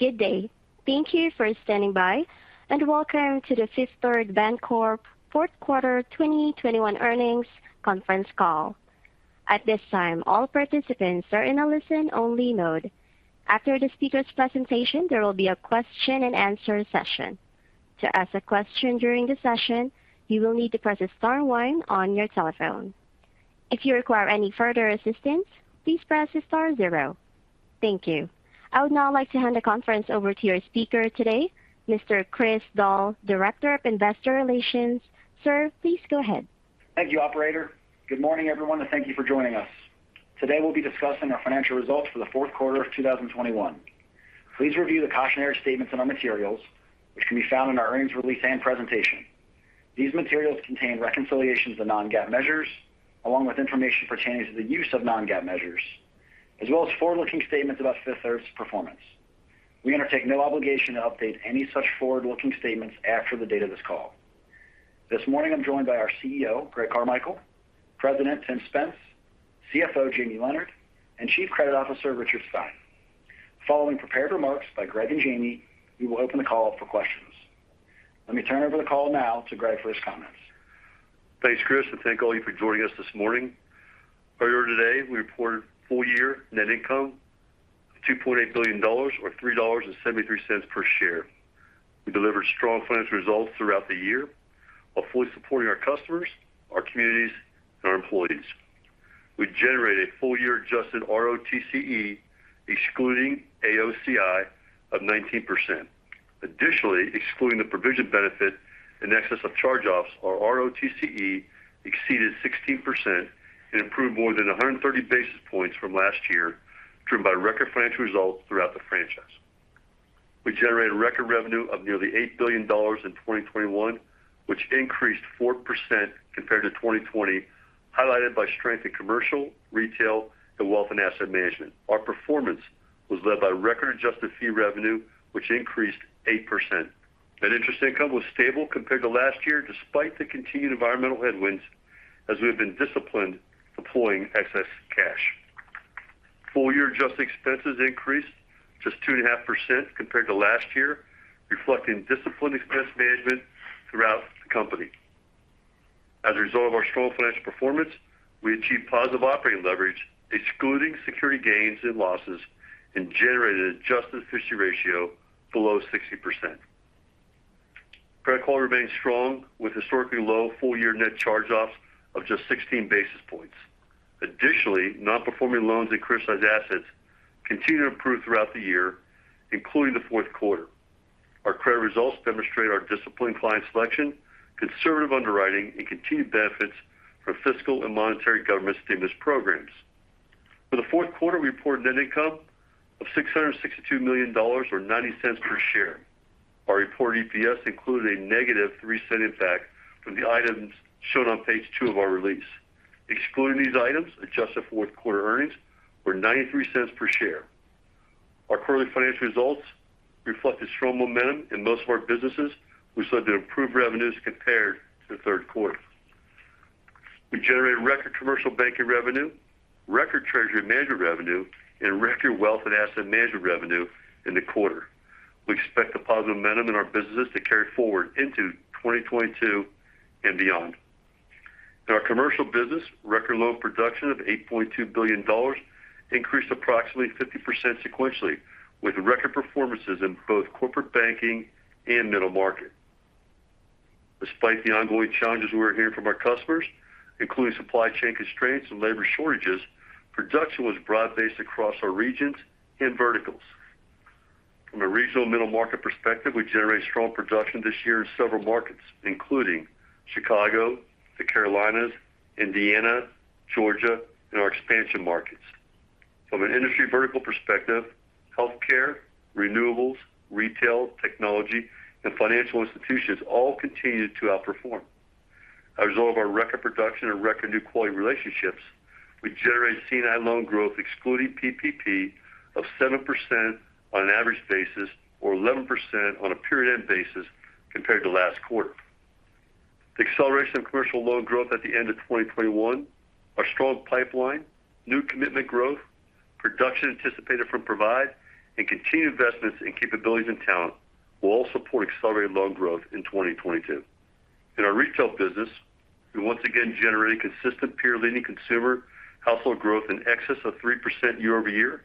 Good day. Thank you for standing by, and welcome to the Fifth Third Bancorp fourth quarter 2021 earnings conference call. At this time, all participants are in a listen-only mode. After the speaker's presentation, there will be a question-and-answer session. To ask a question during the session, you will need to press star one on your telephone. If you require any further assistance, please press star zero. Thank you. I would now like to hand the conference over to your speaker today, Mr. Chris Doll, Director of Investor Relations. Sir, please go ahead. Thank you, operator. Good morning, everyone, and thank you for joining us. Today we'll be discussing our financial results for the fourth quarter of 2021. Please review the cautionary statements in our materials which can be found in our earnings release and presentation. These materials contain reconciliations to non-GAAP measures, along with information pertaining to the use of non-GAAP measures, as well as forward-looking statements about Fifth Third's performance. We undertake no obligation to update any such forward-looking statements after the date of this call. This morning, I'm joined by our CEO, Greg Carmichael; President, Tim Spence; CFO, Jamie Leonard; and Chief Credit Officer, Richard Stein. Following prepared remarks by Greg and Jamie, we will open the call up for questions. Let me turn over the call now to Greg for his comments. Thanks, Chris, and thank all you for joining us this morning. Earlier today, we reported full year net income of $2.8 billion or $3.73 per share. We delivered strong financial results throughout the year while fully supporting our customers, our communities, and our employees. We generated full year adjusted ROTCE, excluding AOCI, of 19%. Additionally, excluding the provision benefit in excess of charge-offs, our ROTCE exceeded 16% and improved more than 130 basis points from last year, driven by record financial results throughout the franchise. We generated record revenue of nearly $8 billion in 2021, which increased 4% compared to 2020, highlighted by strength in commercial, retail, and wealth and asset management. Our performance was led by record adjusted fee revenue, which increased 8%. Net interest income was stable compared to last year despite the continued environmental headwinds as we have been disciplined deploying excess cash. Full year adjusted expenses increased just 2.5% compared to last year, reflecting disciplined expense management throughout the company. As a result of our strong financial performance, we achieved positive operating leverage, excluding security gains and losses, and generated adjusted efficiency ratio below 60%. Credit quality remains strong with historically low full year net charge-offs of just 16 basis points. Additionally, non-performing loans and criticized assets continue to improve throughout the year, including the fourth quarter. Our credit results demonstrate our disciplined client selection, conservative underwriting, and continued benefits from fiscal and monetary government stimulus programs. For the fourth quarter, we reported net income of $662 million or $0.90 per share. Our reported EPS included a negative 3-cent impact from the items shown on page 2 of our release. Excluding these items, adjusted fourth quarter earnings were 93 cents per share. Our quarterly financial results reflect the strong momentum in most of our businesses, which led to improved revenues compared to the third quarter. We generated record commercial banking revenue, record treasury management revenue, and record wealth and asset management revenue in the quarter. We expect the positive momentum in our businesses to carry forward into 2022 and beyond. In our commercial business, record loan production of $8.2 billion increased approximately 50% sequentially, with record performances in both corporate banking and middle market. Despite the ongoing challenges we are hearing from our customers, including supply chain constraints and labor shortages, production was broad-based across our regions and verticals. From a regional middle market perspective, we generated strong production this year in several markets, including Chicago, the Carolinas, Indiana, Georgia, and our expansion markets. From an industry vertical perspective, healthcare, renewables, retail, technology, and financial institutions all continued to outperform. As a result of our record production and record new quality relationships, we generated C&I loan growth excluding PPP of 7% on an average basis or 11% on a period end basis compared to last quarter. The acceleration of commercial loan growth at the end of 2021, our strong pipeline, new commitment growth, production anticipated from Provide, and continued investments in capabilities and talent will all support accelerated loan growth in 2022.In our retail business, we once again generated consistent peer-leading consumer household growth in excess of 3% year-over-year,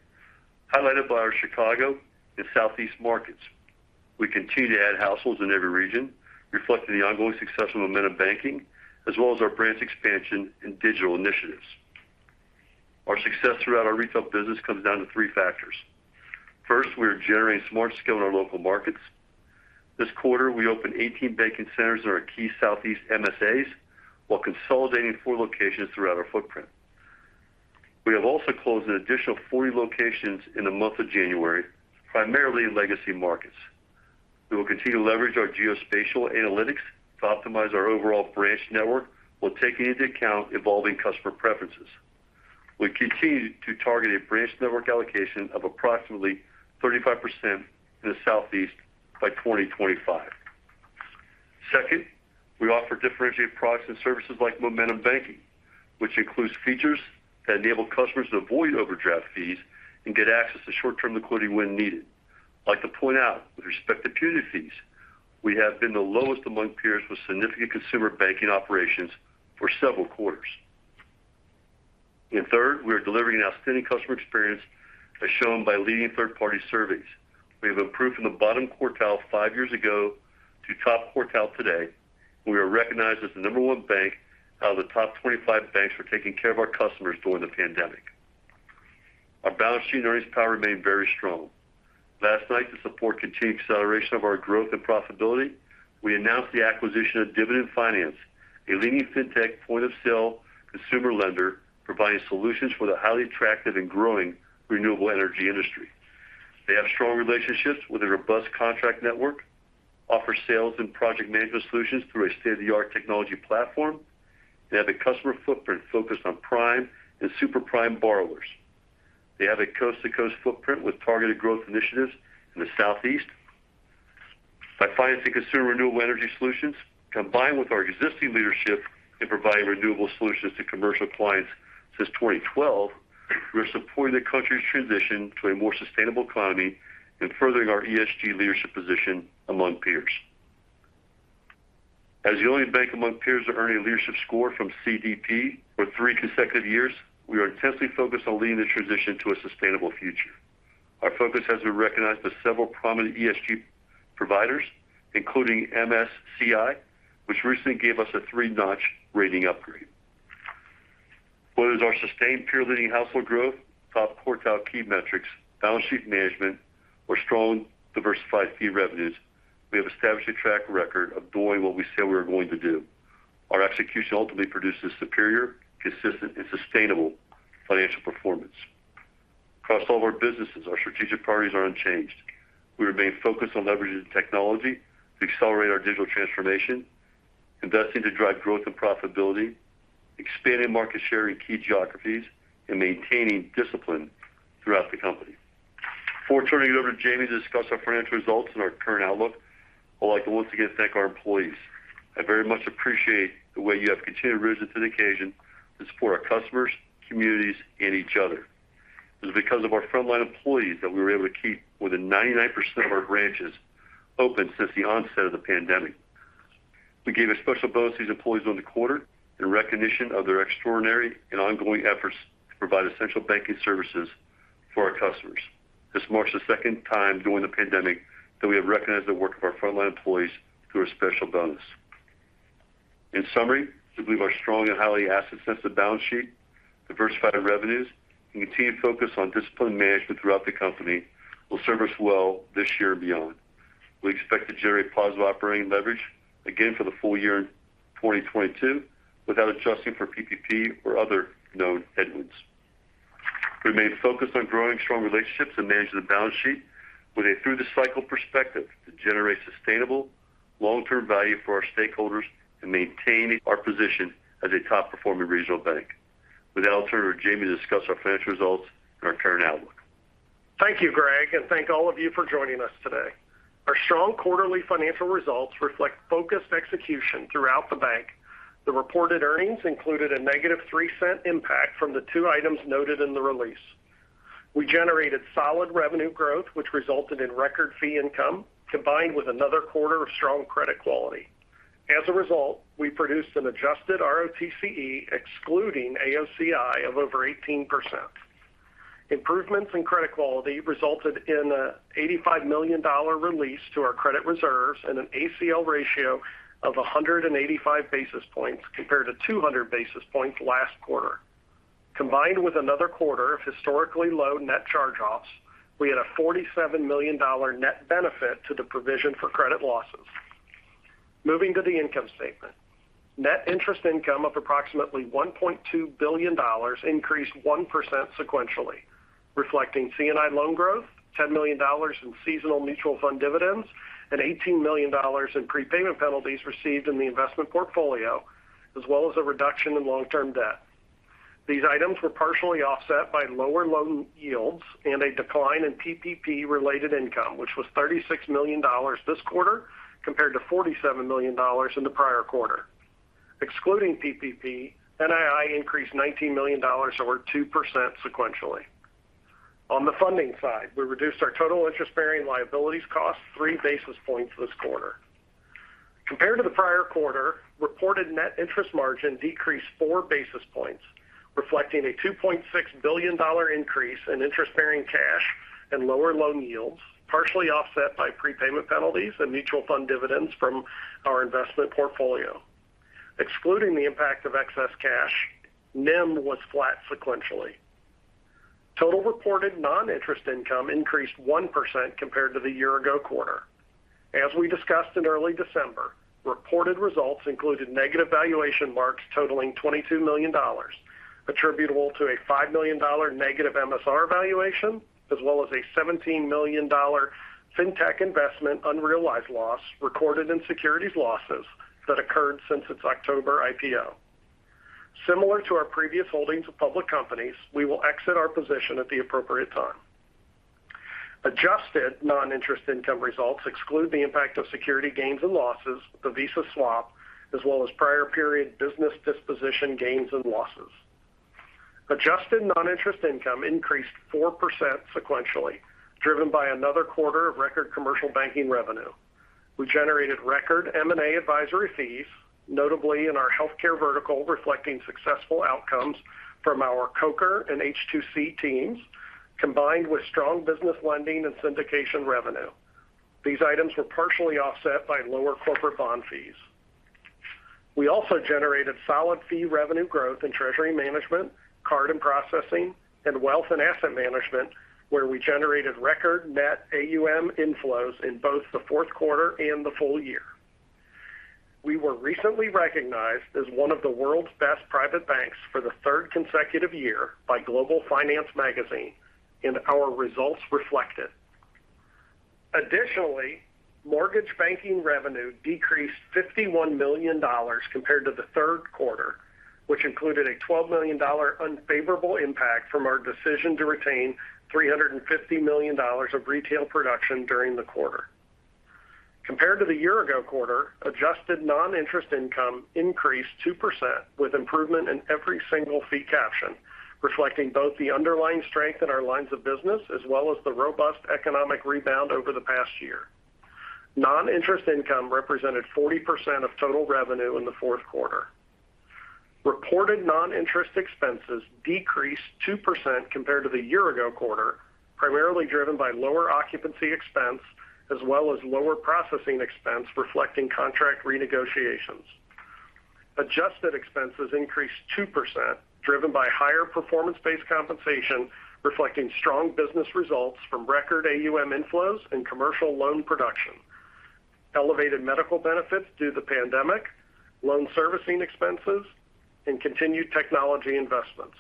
highlighted by our Chicago and Southeast markets. We continue to add households in every region, reflecting the ongoing success of Momentum Banking, as well as our branch expansion and digital initiatives. Our success throughout our retail business comes down to three factors. First, we are generating smart scale in our local markets. This quarter, we opened 18 banking centers in our key Southeast MSAs while consolidating 4 locations throughout our footprint. We have also closed an additional 40 locations in the month of January, primarily in legacy markets. We will continue to leverage our geospatial analytics to optimize our overall branch network while taking into account evolving customer preferences. We continue to target a branch network allocation of approximately 35% in the Southeast by 2025. Differentiate products and services like Momentum Banking, which includes features that enable customers to avoid overdraft fees and get access to short-term liquidity when needed. I'd like to point out with respect to punitive fees, we have been the lowest among peers with significant consumer banking operations for several quarters. Third, we are delivering an outstanding customer experience as shown by leading third-party surveys. We have improved from the bottom quartile 5 years ago to top quartile today. We are recognized as the number 1 bank out of the top 25 banks for taking care of our customers during the pandemic. Our balance sheet earnings power remained very strong. Last night, to support continued acceleration of our growth and profitability, we announced the acquisition of Dividend Finance, a leading fintech point-of-sale consumer lender providing solutions for the highly attractive and growing renewable energy industry. They have strong relationships with a robust contract network, offer sales and project management solutions through a state-of-the-art technology platform. They have a customer footprint focused on prime and super prime borrowers. They have a coast-to-coast footprint with targeted growth initiatives in the Southeast. By financing consumer renewable energy solutions combined with our existing leadership in providing renewable solutions to commercial clients since 2012, we are supporting the country's transition to a more sustainable economy and furthering our ESG leadership position among peers. As the only bank among peers to earn a leadership score from CDP for three consecutive years, we are intensely focused on leading the transition to a sustainable future. Our focus has been recognized by several prominent ESG providers, including MSCI, which recently gave us a three-notch rating upgrade. Whether it's our sustained peer-leading household growth, top quartile key metrics, balance sheet management, or strong diversified fee revenues, we have established a track record of doing what we say we are going to do. Our execution ultimately produces superior, consistent and sustainable financial performance. Across all of our businesses our strategic priorities are unchanged. We remain focused on leveraging technology to accelerate our digital transformation, investing to drive growth and profitability, expanding market share in key geographies, and maintaining discipline throughout the company. Before turning it over to Jamie to discuss our financial results and our current outlook, I'd like to once again thank our employees. I very much appreciate the way you have continued to rise to the occasion to support our customers, communities and each other. It is because of our frontline employees that we were able to keep more than 99% of our branches open since the onset of the pandemic. We gave a special bonus to these employees during the quarter in recognition of their extraordinary and ongoing efforts to provide essential banking services for our customers. This marks the second time during the pandemic that we have recognized the work of our frontline employees through a special bonus. In summary, we believe our strong and highly asset-sensitive balance sheet, diversified revenues, and continued focus on disciplined management throughout the company will serve us well this year and beyond. We expect to generate positive operating leverage again for the full year in 2022 without adjusting for PPP or other known headwinds. We remain focused on growing strong relationships and managing the balance sheet with a through-the-cycle perspective to generate sustainable long-term value for our stakeholders and maintaining our position as a top-performing regional bank. With that, I'll turn it over to Jamie to discuss our financial results and our current outlook. Thank you, Greg, and thank all of you for joining us today. Our strong quarterly financial results reflect focused execution throughout the bank. The reported earnings included a negative 3-cent impact from the 2 items noted in the release. We generated solid revenue growth, which resulted in record fee income combined with another quarter of strong credit quality. As a result, we produced an adjusted ROTCE excluding AOCI of over 18%. Improvements in credit quality resulted in a $85 million release to our credit reserves and an ACL ratio of 185 basis points compared to 200 basis points last quarter. Combined with another quarter of historically low net charge-offs, we had a $47 million net benefit to the provision for credit losses. Moving to the income statement. Net interest income of approximately $1.2 billion increased 1% sequentially, reflecting C&I loan growth, $10 million in seasonal mutual fund dividends, and $18 million in prepayment penalties received in the investment portfolio, as well as a reduction in long-term debt. These items were partially offset by lower loan yields and a decline in PPP-related income, which was $36 million this quarter compared to $47 million in the prior quarter. Excluding PPP, NII increased $19 million or 2% sequentially. On the funding side, we reduced our total interest-bearing liabilities cost 3 basis points this quarter. Compared to the prior quarter, reported net interest margin decreased 4 basis points, reflecting a $2.6 billion increase in interest-bearing cash and lower loan yields, partially offset by prepayment penalties and mutual fund dividends from our investment portfolio. Excluding the impact of excess cash, NIM was flat sequentially. Total reported non-interest income increased 1% compared to the year ago quarter. As we discussed in early December, reported results included negative valuation marks totaling $22 million, attributable to a $5 million negative MSR valuation as well as a $17 million fintech investment unrealized loss recorded in securities losses that occurred since its October IPO. Similar to our previous holdings of public companies, we will exit our position at the appropriate time. Adjusted non-interest income results exclude the impact of security gains and losses, the Visa swap, as well as prior period business disposition gains and losses. Adjusted non-interest income increased 4% sequentially, driven by another quarter of record commercial banking revenue. We generated record M&A advisory fees, notably in our healthcare vertical, reflecting successful outcomes from our Coker and H2C teams, combined with strong business lending and syndication revenue. These items were partially offset by lower corporate bond fees. We also generated solid fee revenue growth in treasury management, card and processing, and wealth and asset management, where we generated record net AUM inflows in both the fourth quarter and the full year. We were recently recognized as one of the world's best private banks for the third consecutive year by Global Finance Magazine, and our results reflect it. Additionally, mortgage banking revenue decreased $51 million compared to the third quarter, which included a $12 million unfavorable impact from our decision to retain $350 million of retail production during the quarter. Compared to the year-ago quarter, adjusted non-interest income increased 2% with improvement in every single fee caption, reflecting both the underlying strength in our lines of business as well as the robust economic rebound over the past year. Non-interest income represented 40% of total revenue in the fourth quarter. Reported non-interest expenses decreased 2% compared to the year-ago quarter, primarily driven by lower occupancy expense as well as lower processing expense reflecting contract renegotiations. Adjusted expenses increased 2% driven by higher performance-based compensation reflecting strong business results from record AUM inflows and commercial loan production, elevated medical benefits due to the pandemic, loan servicing expenses, and continued technology investments.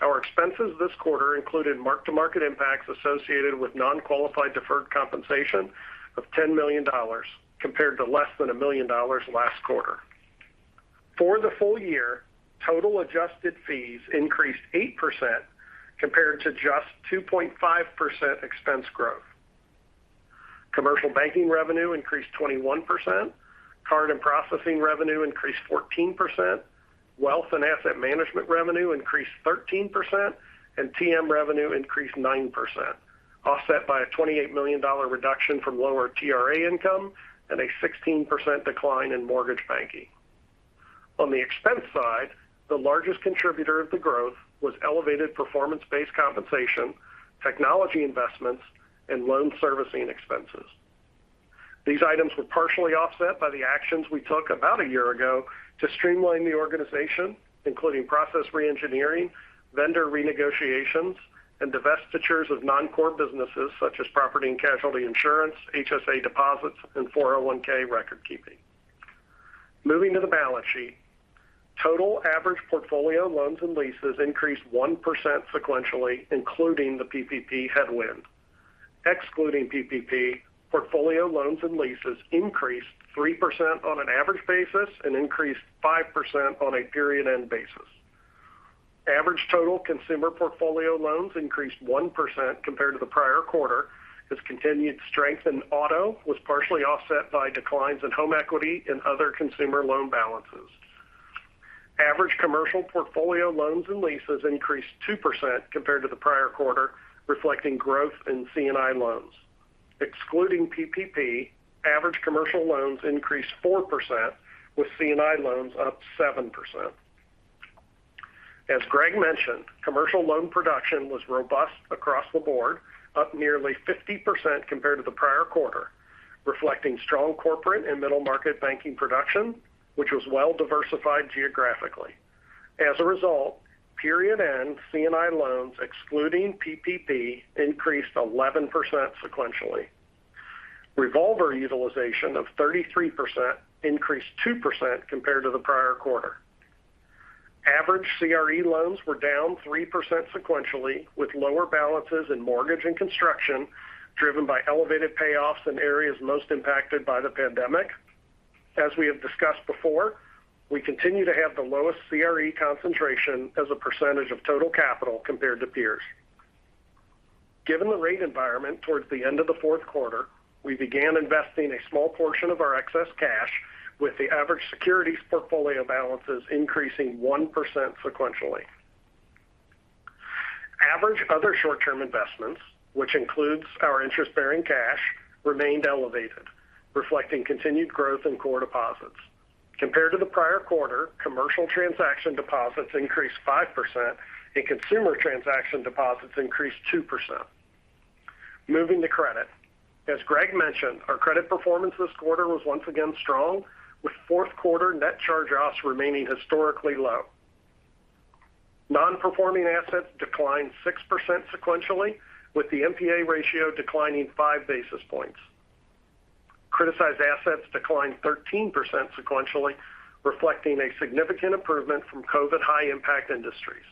Our expenses this quarter included mark-to-market impacts associated with non-qualified deferred compensation of $10 million compared to less than $1 million last quarter. For the full year, total adjusted fees increased 8% compared to just 2.5% expense growth. Commercial banking revenue increased 21%. Card and processing revenue increased 14%. Wealth and asset management revenue increased 13%. TM revenue increased 9%, offset by a $28 million reduction from lower TRA income and a 16% decline in mortgage banking. On the expense side, the largest contributor of the growth was elevated performance-based compensation, technology investments, and loan servicing expenses. These items were partially offset by the actions we took about a year ago to streamline the organization, including process re-engineering, vendor renegotiations, and divestitures of non-core businesses such as property and casualty insurance, HSA deposits, and 401(k) record keeping. Moving to the balance sheet. Total average portfolio loans and leases increased 1% sequentially, including the PPP headwind. Excluding PPP, portfolio loans and leases increased 3% on an average basis and increased 5% on a period-end basis. Average total consumer portfolio loans increased 1% compared to the prior quarter as continued strength in auto was partially offset by declines in home equity and other consumer loan balances. Average commercial portfolio loans and leases increased 2% compared to the prior quarter, reflecting growth in C&I loans. Excluding PPP, average commercial loans increased 4% with C&I loans up 7%. As Greg mentioned, commercial loan production was robust across the board, up nearly 50% compared to the prior quarter, reflecting strong corporate and middle market banking production, which was well-diversified geographically. As a result, period-end C&I loans, excluding PPP, increased 11% sequentially. Revolver utilization of 33% increased 2% compared to the prior quarter. Average CRE loans were down 3% sequentially, with lower balances in mortgage and construction driven by elevated payoffs in areas most impacted by the pandemic. As we have discussed before, we continue to have the lowest CRE concentration as a percentage of total capital compared to peers. Given the rate environment towards the end of the fourth quarter, we began investing a small portion of our excess cash with the average securities portfolio balances increasing 1% sequentially. Average other short-term investments, which includes our interest-bearing cash, remained elevated, reflecting continued growth in core deposits. Compared to the prior quarter, commercial transaction deposits increased 5% and consumer transaction deposits increased 2%. Moving to credit, as Greg mentioned, our credit performance this quarter was once again strong, with fourth quarter net charge-offs remaining historically low. Non-performing assets declined 6% sequentially, with the NPA ratio declining 5 basis points. Criticized assets declined 13% sequentially, reflecting a significant improvement from COVID high impact industries.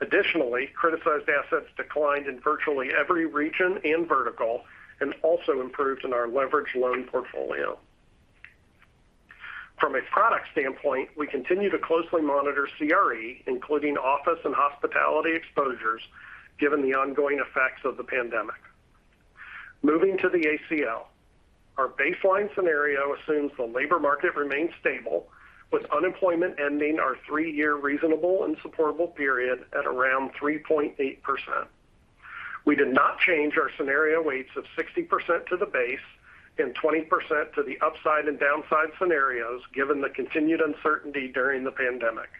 Additionally, criticized assets declined in virtually every region and vertical, and also improved in our leveraged loan portfolio. From a product standpoint, we continue to closely monitor CRE, including office and hospitality exposures, given the ongoing effects of the pandemic. Moving to the ACL. Our baseline scenario assumes the labor market remains stable, with unemployment ending our three-year reasonable and supportable period at around 3.8%. We did not change our scenario weights of 60% to the base and 20% to the upside and downside scenarios, given the continued uncertainty during the pandemic.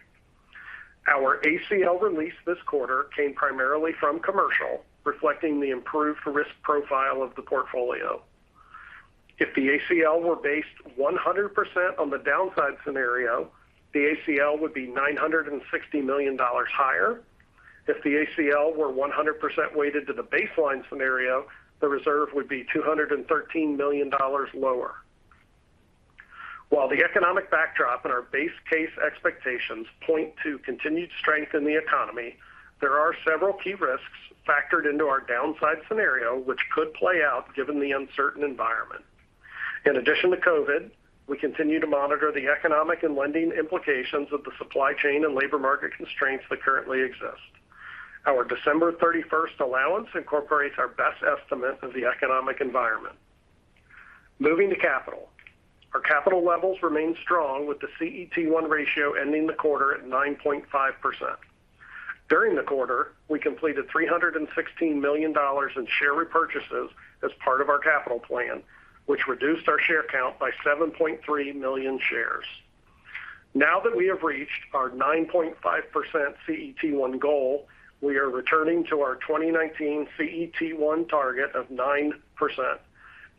Our ACL release this quarter came primarily from commercial, reflecting the improved risk profile of the portfolio. If the ACL were based 100% on the downside scenario, the ACL would be $960 million higher. If the ACL were 100% weighted to the baseline scenario, the reserve would be $213 million lower. While the economic backdrop and our base case expectations point to continued strength in the economy, there are several key risks factored into our downside scenario which could play out given the uncertain environment. In addition to COVID, we continue to monitor the economic and lending implications of the supply chain and labor market constraints that currently exist. Our December thirty-first allowance incorporates our best estimate of the economic environment. Moving to capital. Our capital levels remain strong with the CET1 ratio ending the quarter at 9.5%. During the quarter, we completed $316 million in share repurchases as part of our capital plan, which reduced our share count by 7.3 million shares. Now that we have reached our 9.5% CET1 goal, we are returning to our 2019 CET1 target of 9%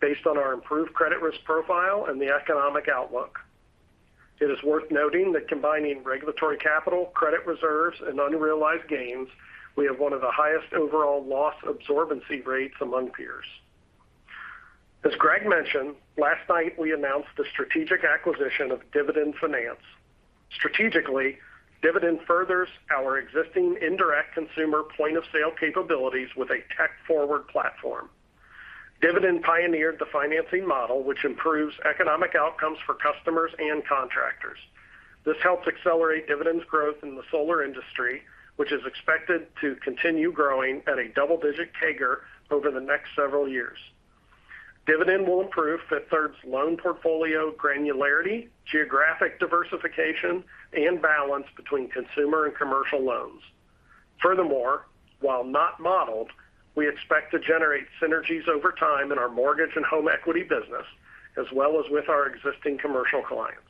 based on our improved credit risk profile and the economic outlook. It is worth noting that combining regulatory capital, credit reserves, and unrealized gains, we have one of the highest overall loss absorbency rates among peers. As Greg mentioned, last night we announced the strategic acquisition of Dividend Finance. Strategically, Dividend furthers our existing indirect consumer point of sale capabilities with a tech-forward platform. Dividend pioneered the financing model which improves economic outcomes for customers and contractors. This helps accelerate Dividend's growth in the solar industry, which is expected to continue growing at a double-digit CAGR over the next several years. Dividend will improve Fifth Third's loan portfolio granularity, geographic diversification, and balance between consumer and commercial loans. Furthermore, while not modeled, we expect to generate synergies over time in our mortgage and home equity business, as well as with our existing commercial clients.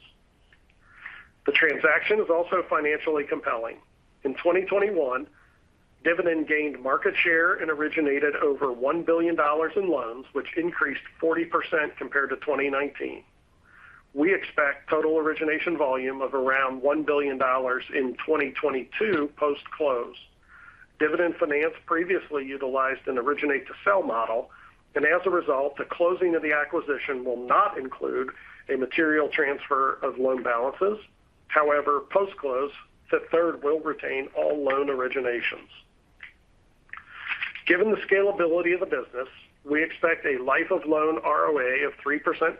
The transaction is also financially compelling. In 2021, Dividend gained market share and originated over $1 billion in loans, which increased 40% compared to 2019. We expect total origination volume of around $1 billion in 2022 post-close. Dividend Finance previously utilized an originate-to-sell model, and as a result, the closing of the acquisition will not include a material transfer of loan balances. However, post-close, Fifth Third will retain all loan originations. Given the scalability of the business, we expect a life of loan ROA of 3%+,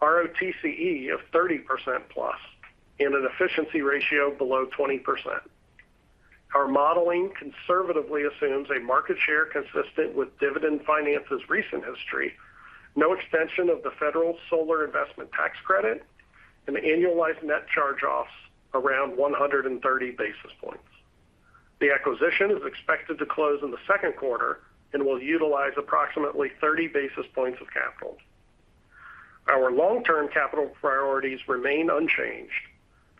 ROTCE of 30%+, and an efficiency ratio below 20%. Our modeling conservatively assumes a market share consistent with Dividend Finance's recent history, no extension of the Federal Solar Investment Tax Credit, and annualized net charge-offs around 130 basis points. The acquisition is expected to close in the second quarter and will utilize approximately 30 basis points of capital. Our long-term capital priorities remain unchanged.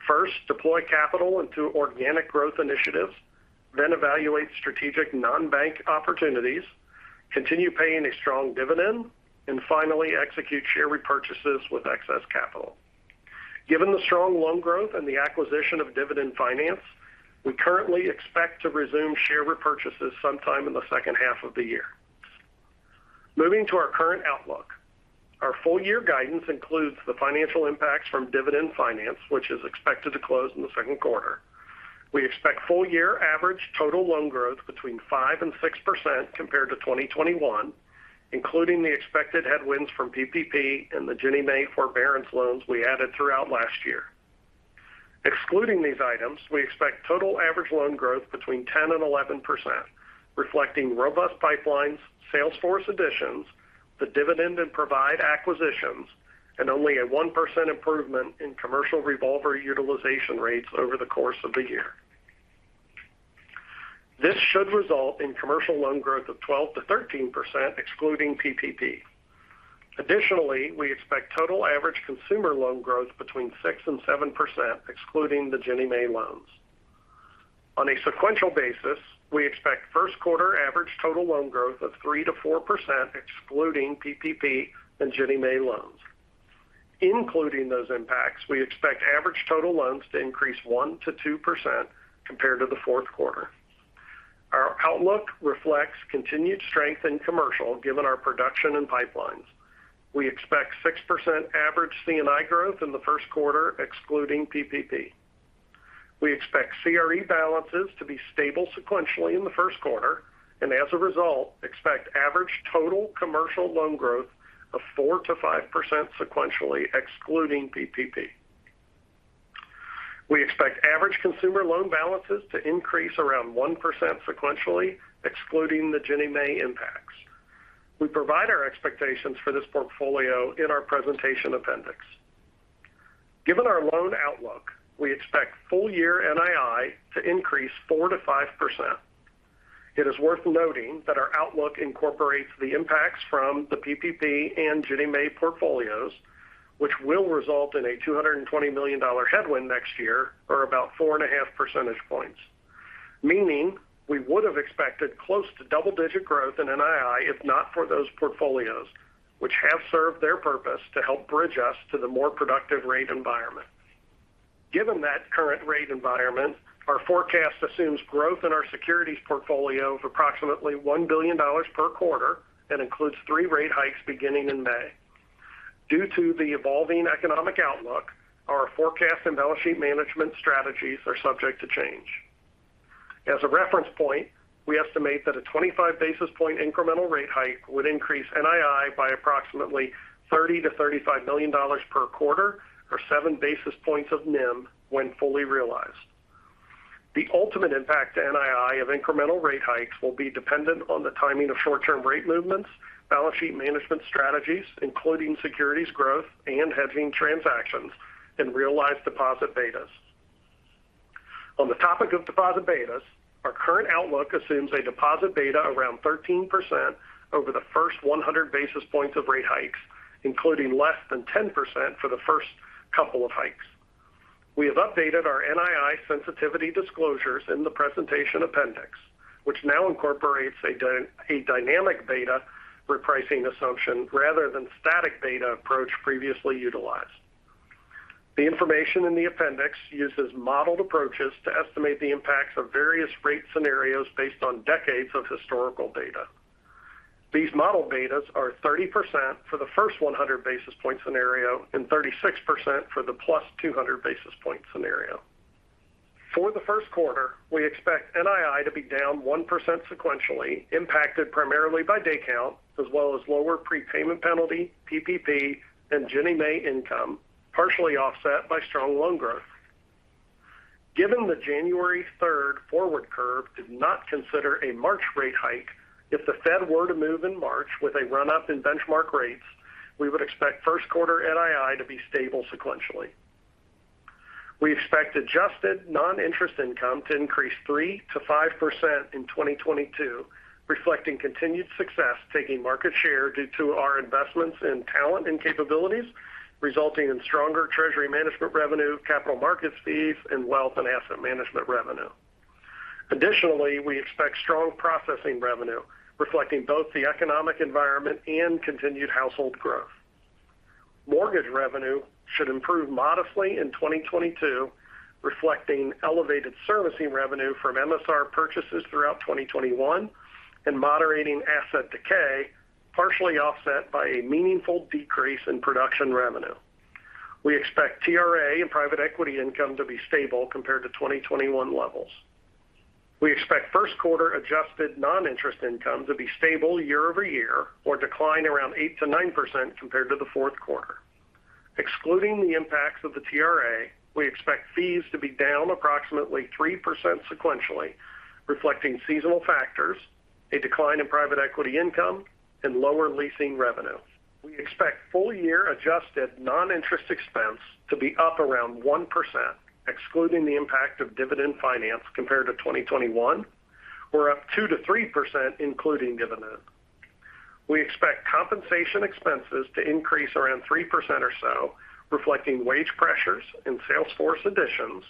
First, deploy capital into organic growth initiatives, then evaluate strategic non-bank opportunities, continue paying a strong dividend, and finally execute share repurchases with excess capital. Given the strong loan growth and the acquisition of Dividend Finance, we currently expect to resume share repurchases sometime in the second half of the year. Moving to our current outlook. Our full-year guidance includes the financial impacts from Dividend Finance, which is expected to close in the second quarter. We expect full-year average total loan growth between 5%-6% compared to 2021, including the expected headwinds from PPP and the Ginnie Mae forbearance loans we added throughout last year. Excluding these items, we expect total average loan growth between 10%-11%, reflecting robust pipelines, salesforce additions, the Dividend and Provide acquisitions, and only a 1% improvement in commercial revolver utilization rates over the course of the year. This should result in commercial loan growth of 12%-13% excluding PPP. Additionally, we expect total average consumer loan growth between 6%-7% excluding the Ginnie Mae loans. On a sequential basis, we expect first quarter average total loan growth of 3%-4% excluding PPP and Ginnie Mae loans. Including those impacts, we expect average total loans to increase 1%-2% compared to the fourth quarter. Our outlook reflects continued strength in commercial given our production and pipelines. We expect 6% average C&I growth in the first quarter excluding PPP. We expect CRE balances to be stable sequentially in the first quarter, and as a result, expect average total commercial loan growth of 4%-5% sequentially, excluding PPP. We expect average consumer loan balances to increase around 1% sequentially, excluding the Ginnie Mae impacts. We provide our expectations for this portfolio in our presentation appendix. Given our loan outlook, we expect full year NII to increase 4%-5%. It is worth noting that our outlook incorporates the impacts from the PPP and Ginnie Mae portfolios, which will result in a $220 million headwind next year or about 4.5 percentage points, meaning we would have expected close to double-digit growth in NII if not for those portfolios, which have served their purpose to help bridge us to the more productive rate environment. Given that current rate environment, our forecast assumes growth in our securities portfolio of approximately $1 billion per quarter and includes 3 rate hikes beginning in May. Due to the evolving economic outlook, our forecast and balance sheet management strategies are subject to change. As a reference point, we estimate that a 25 basis point incremental rate hike would increase NII by approximately $30 million-$35 million per quarter or 7 basis points of NIM when fully realized. The ultimate impact to NII of incremental rate hikes will be dependent on the timing of short-term rate movements, balance sheet management strategies, including securities growth and hedging transactions and realized deposit betas. On the topic of deposit betas, our current outlook assumes a deposit beta around 13% over the first 100 basis points of rate hikes, including less than 10% for the first couple of hikes. We have updated our NII sensitivity disclosures in the presentation appendix, which now incorporates a dynamic beta repricing assumption rather than static beta approach previously utilized. The information in the appendix uses modeled approaches to estimate the impacts of various rate scenarios based on decades of historical data. These model betas are 30% for the first 100 basis point scenario and 36% for the +200 basis point scenario. For the first quarter, we expect NII to be down 1% sequentially impacted primarily by day count as well as lower prepayment penalty, PPP and Ginnie Mae income, partially offset by strong loan growth. Given the January third forward curve did not consider a March rate hike, if the Fed were to move in March with a run-up in benchmark rates, we would expect first quarter NII to be stable sequentially. We expect adjusted non-interest income to increase 3%-5% in 2022, reflecting continued success taking market share due to our investments in talent and capabilities, resulting in stronger treasury management revenue, capital markets fees and wealth and asset management revenue. Additionally, we expect strong processing revenue, reflecting both the economic environment and continued household growth. Mortgage revenue should improve modestly in 2022, reflecting elevated servicing revenue from MSR purchases throughout 2021 and moderating asset decay, partially offset by a meaningful decrease in production revenue. We expect TRA and private equity income to be stable compared to 2021 levels. We expect first quarter adjusted non-interest income to be stable year over year or decline around 8%-9% compared to the fourth quarter. Excluding the impacts of the TRA, we expect fees to be down approximately 3% sequentially, reflecting seasonal factors, a decline in private equity income and lower leasing revenue. We expect full year adjusted non-interest expense to be up around 1%, excluding the impact of Dividend Finance compared to 2021 or up 2%-3% including Dividend. We expect compensation expenses to increase around 3% or so, reflecting wage pressures and sales force additions,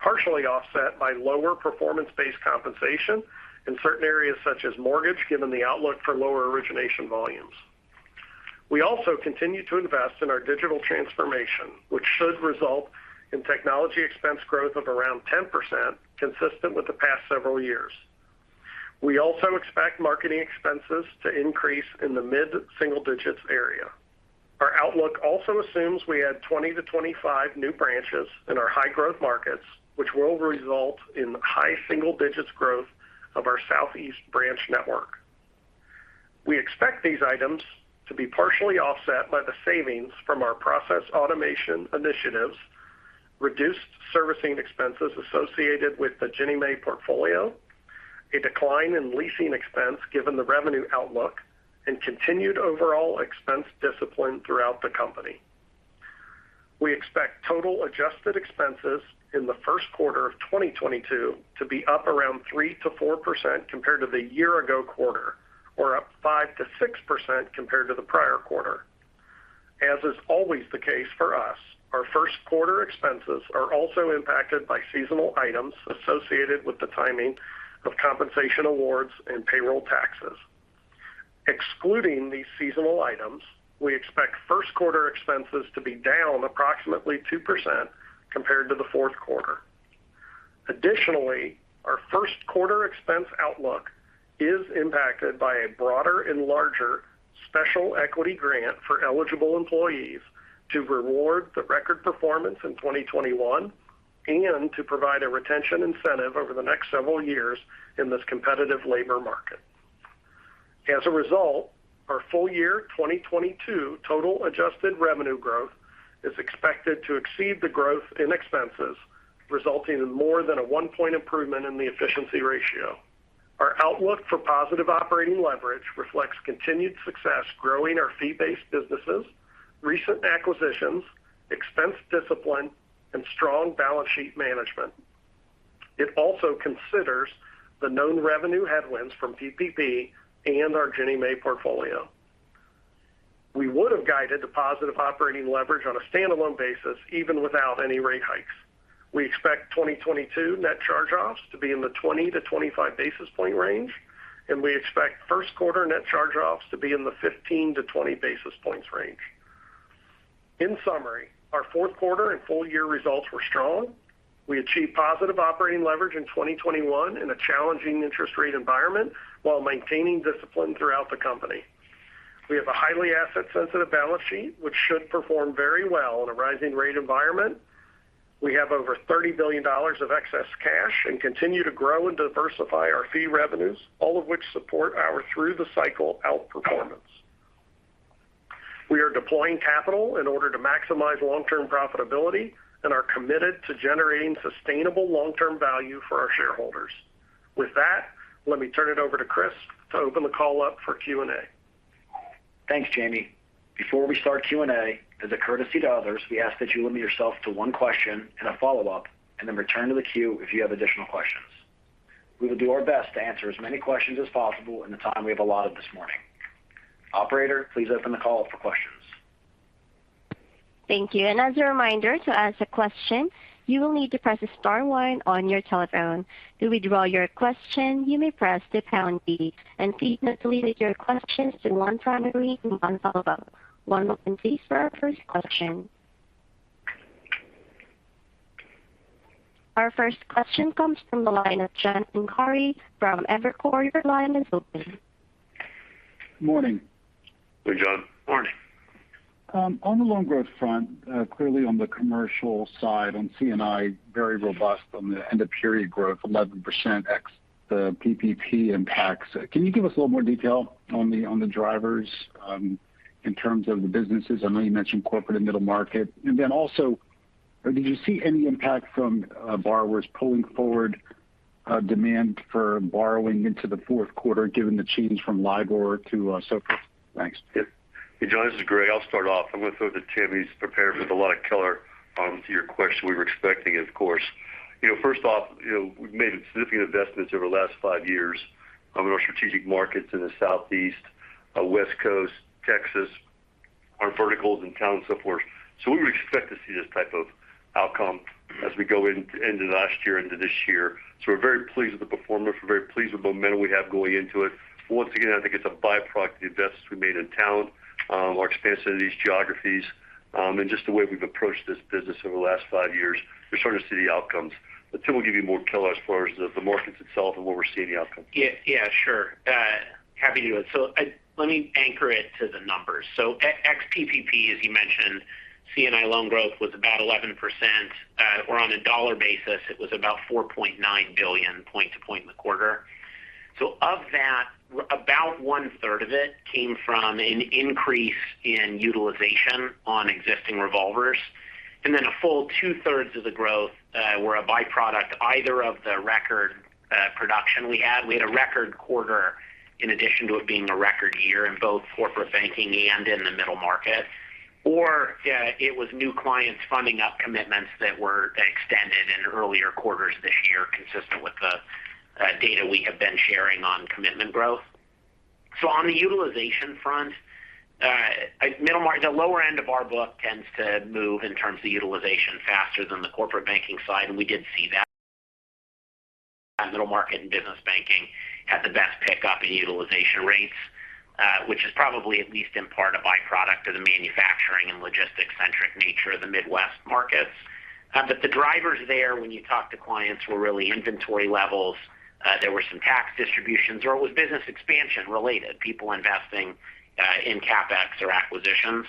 partially offset by lower performance-based compensation in certain areas such as mortgage, given the outlook for lower origination volumes. We also continue to invest in our digital transformation, which should result in technology expense growth of around 10% consistent with the past several years. We also expect marketing expenses to increase in the mid-single digits area. Our outlook also assumes we add 20-25 new branches in our high growth markets, which will result in high single digits growth of our Southeast branch network. We expect these items to be partially offset by the savings from our process automation initiatives, reduced servicing expenses associated with the Ginnie Mae portfolio, a decline in leasing expense given the revenue outlook and continued overall expense discipline throughout the company. We expect total adjusted expenses in the first quarter of 2022 to be up around 3%-4% compared to the year ago quarter or up 5%-6% compared to the prior quarter. As is always the case for us, our first quarter expenses are also impacted by seasonal items associated with the timing of compensation awards and payroll taxes. Excluding these seasonal items, we expect first quarter expenses to be down approximately 2% compared to the fourth quarter. Additionally, our first quarter expense outlook is impacted by a broader and larger special equity grant for eligible employees to reward the record performance in 2021 and to provide a retention incentive over the next several years in this competitive labor market. As a result, our full year 2022 total adjusted revenue growth is expected to exceed the growth in expenses, resulting in more than a 1-point improvement in the efficiency ratio. Our outlook for positive operating leverage reflects continued success growing our fee-based businesses, recent acquisitions, expense discipline, and strong balance sheet management. It also considers the known revenue headwinds from PPP and our Ginnie Mae portfolio. We would have guided to positive operating leverage on a standalone basis even without any rate hikes. We expect 2022 net charge-offs to be in the 20-25 basis points range, and we expect first quarter net charge-offs to be in the 15-20 basis points range. In summary, our fourth quarter and full year results were strong. We achieved positive operating leverage in 2021 in a challenging interest rate environment while maintaining discipline throughout the company. We have a highly asset sensitive balance sheet, which should perform very well in a rising rate environment. We have over $30 billion of excess cash and continue to grow and diversify our fee revenues, all of which support our through the cycle outperformance. We are deploying capital in order to maximize long-term profitability and are committed to generating sustainable long-term value for our shareholders. With that, let me turn it over to Chris to open the call up for Q&A. Thanks, Jamie. Before we start Q&A, as a courtesy to others, we ask that you limit yourself to one question and a follow-up, and then return to the queue if you have additional questions. We will do our best to answer as many questions as possible in the time we have allotted this morning. Operator, please open the call for questions. Thank you. As a reminder to ask a question, you will need to press star one on your telephone. To withdraw your question, you may press the pound key. Please limit your questions to one primary and one follow-up. One moment please for our first question. Our first question comes from the line of John Pancari from Evercore. Your line is open. Morning. Hey, John. Morning. On the loan growth front, clearly on the commercial side on CNI, very robust on the end of period growth, 11% ex the PPP impacts. Can you give us a little more detail on the drivers, in terms of the businesses? I know you mentioned corporate and middle market. Did you see any impact from borrowers pulling forward demand for borrowing into the fourth quarter given the change from LIBOR to SOFR? Thanks. Hey, John, this is Greg. I'll start off. I'm going to throw it to Tim. He's prepared with a lot of color on your question we were expecting, of course. You know, first off, you know, we've made significant investments over the last 5 years on our strategic markets in the Southeast, West Coast, Texas, our verticals in town and so forth. We would expect to see this type of outcome as we go from last year into this year. We're very pleased with the performance. We're very pleased with the momentum we have going into it. Once again, I think it's a byproduct of the investments we made in talent, our expansion of these geographies, and just the way we've approached this business over the last 5 years. We're starting to see the outcomes. Tim will give you more color as far as the market itself and what we're seeing the outcomes. Yeah, sure. Happy to do it. Let me anchor it to the numbers. Ex PPP, as you mentioned, CNI loan growth was about 11% or on a dollar basis, it was about $4.9 billion point to point in the quarter. Of that, about one-third of it came from an increase in utilization on existing revolvers. Then a full two-thirds of the growth were a byproduct either of the record production we had. We had a record quarter in addition to it being a record year in both corporate banking and in the middle market. It was new clients funding up commitments that were extended in earlier quarters this year consistent with the data we have been sharing on commitment growth. On the utilization front, the lower end of our book tends to move in terms of utilization faster than the corporate banking side, and we did see that. Middle market and business banking had the best pickup in utilization rates, which is probably at least in part a byproduct of the manufacturing and logistics centric nature of the Midwest markets. The drivers there when you talk to clients were really inventory levels. There were some tax distributions or it was business expansion related, people investing in CapEx or acquisitions.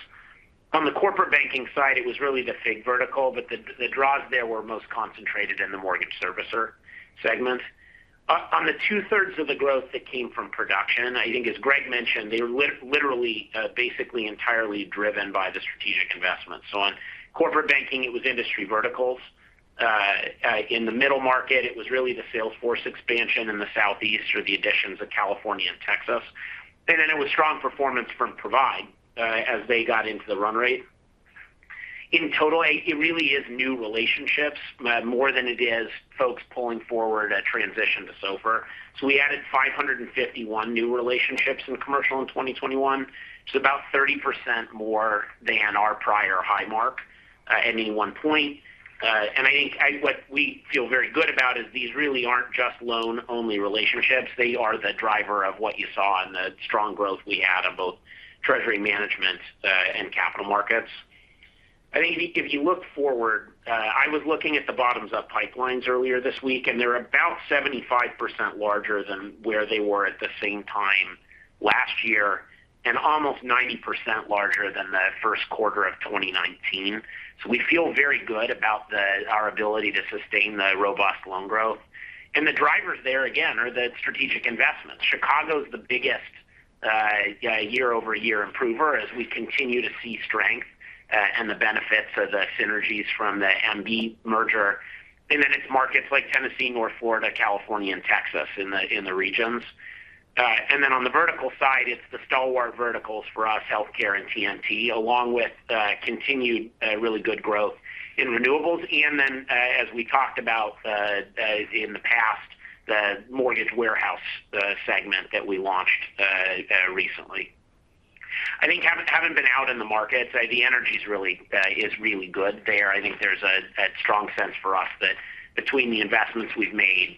On the corporate banking side, it was really the FIG vertical, but the draws there were most concentrated in the mortgage servicer segment. On the two-thirds of the growth that came from production, I think as Greg mentioned, they were literally basically entirely driven by the strategic investments. On corporate banking, it was industry verticals. In the middle market, it was really the sales force expansion in the Southeast through the additions of California and Texas. Then it was strong performance from Provide as they got into the run rate. In total, it really is new relationships more than it is folks pulling forward a transition to SOFR. We added 551 new relationships in commercial in 2021. It's about 30% more than our prior high mark at any one point. I think what we feel very good about is these really aren't just loan only relationships. They are the driver of what you saw in the strong growth we had of both treasury management and capital markets. I think if you look forward, I was looking at the bottoms-up pipelines earlier this week, and they're about 75% larger than where they were at the same time last year, and almost 90% larger than the first quarter of 2019. So we feel very good about our ability to sustain the robust loan growth. The drivers there again are the strategic investments. Chicago is the biggest year-over-year improver as we continue to see strength, and the benefits of the synergies from the MB merger. Then it's markets like Tennessee, North Florida, California, and Texas in the regions. On the vertical side, it's the stalwart verticals for us, healthcare and TMT, along with continued really good growth in renewables. As we talked about in the past, the mortgage warehouse segment that we launched recently. I think having been out in the market, the energy is really good there. I think there's a strong sense for us that between the investments we've made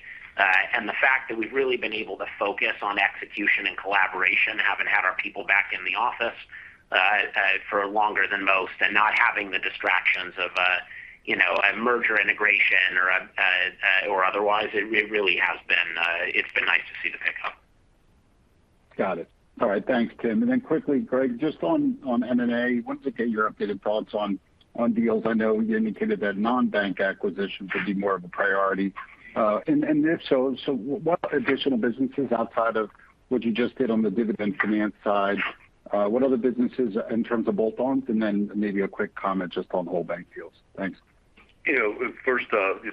and the fact that we've really been able to focus on execution and collaboration, having had our people back in the office for longer than most, and not having the distractions of you know, a merger integration or otherwise, it's been nice to see the pickup. Got it. All right. Thanks, Tim. Then quickly, Greg, just on M&A. Once again, your updated thoughts on deals. I know you indicated that non-bank acquisitions would be more of a priority. And if so, what additional businesses outside of what you just did on the Dividend Finance side, what other businesses in terms of bolt-ons? Then maybe a quick comment just on whole bank deals. Thanks. You know, first,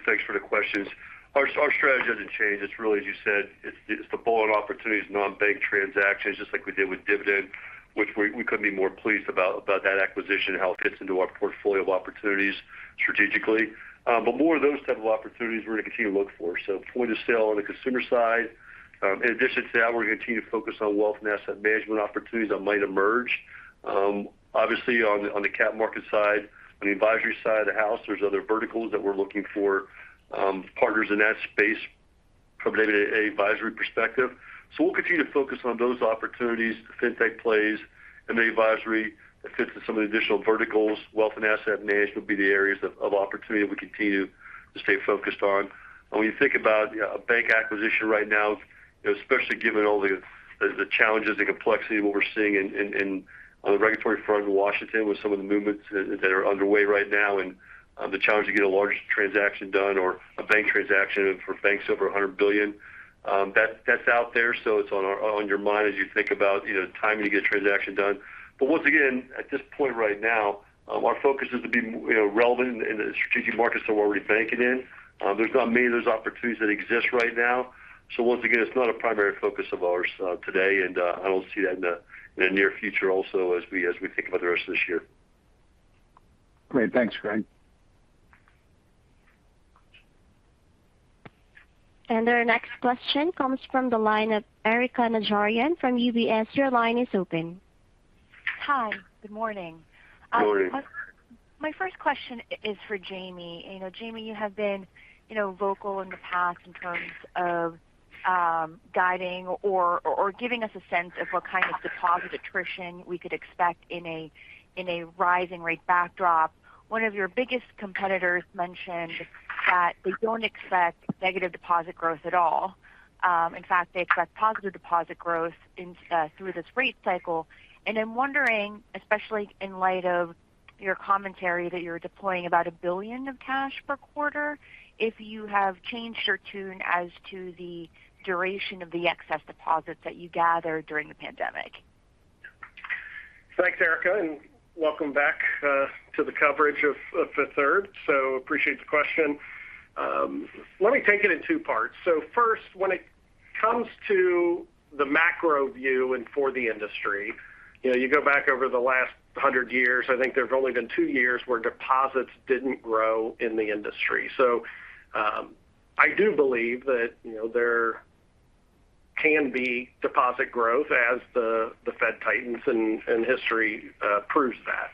thanks for the questions. Our strategy hasn't changed. It's really, as you said, it's the bolt-on opportunities, non-bank transactions, just like we did with Dividend, which we couldn't be more pleased about that acquisition and how it fits into our portfolio of opportunities strategically. More of those type of opportunities we're going to continue to look for. Point of sale on the consumer side. In addition to that, we're going to continue to focus on wealth and asset management opportunities that might emerge. Obviously on the capital market side, on the advisory side of the house, there's other verticals that we're looking for partners in that space from an advisory perspective. We'll continue to focus on those opportunities, fintech plays. The advisory that fits with some of the additional verticals, wealth and asset management would be the areas of opportunity that we continue to stay focused on. When you think about a bank acquisition right now, especially given all of the challenges, the complexity of what we're seeing in on the regulatory front in Washington with some of the movements that are underway right now and the challenge to get a large transaction done or a bank transaction for banks over 100 billion, that's out there. It's on your mind as you think about, you know, timing to get a transaction done. Once again, at this point right now, our focus is to be, you know, relevant in the strategic markets that we're already banking in. There's not many of those opportunities that exist right now. Once again, it's not a primary focus of ours today. I don't see that in the near future also as we think about the rest of this year. Great. Thanks, Greg. Our next question comes from the line of Erika Najarian from UBS. Your line is open. Hi. Good morning. Good morning. My first question is for Jamie. You know, Jamie, you have been, you know, vocal in the past in terms of guiding or giving us a sense of what kind of deposit attrition we could expect in a rising rate backdrop. One of your biggest competitors mentioned that they don't expect negative deposit growth at all. In fact, they expect positive deposit growth through this rate cycle. I'm wondering, especially in light of your commentary that you're deploying about $1 billion of cash per quarter, if you have changed your tune as to the duration of the excess deposits that you gathered during the pandemic. Thanks, Erika, and welcome back to the coverage of Fifth Third. Appreciate the question. Let me take it in two parts. First, when it comes to the macro view and for the industry, you know, you go back over the last 100 years, I think there's only been two years where deposits didn't grow in the industry. I do believe that, you know, there can be deposit growth as the Fed tightens, and history proves that.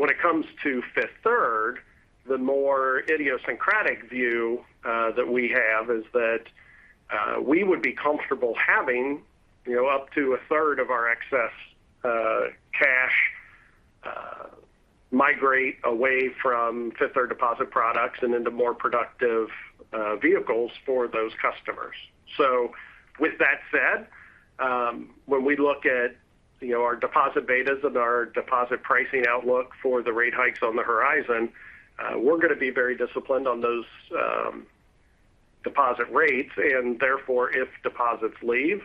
When it comes to Fifth Third, the more idiosyncratic view that we have is that we would be comfortable having, you know, up to a third of our excess cash migrate away from Fifth Third deposit products and into more productive vehicles for those customers. With that said, when we look at, you know, our deposit betas and our deposit pricing outlook for the rate hikes on the horizon, we're going to be very disciplined on those, deposit rates, and therefore, if deposits leave,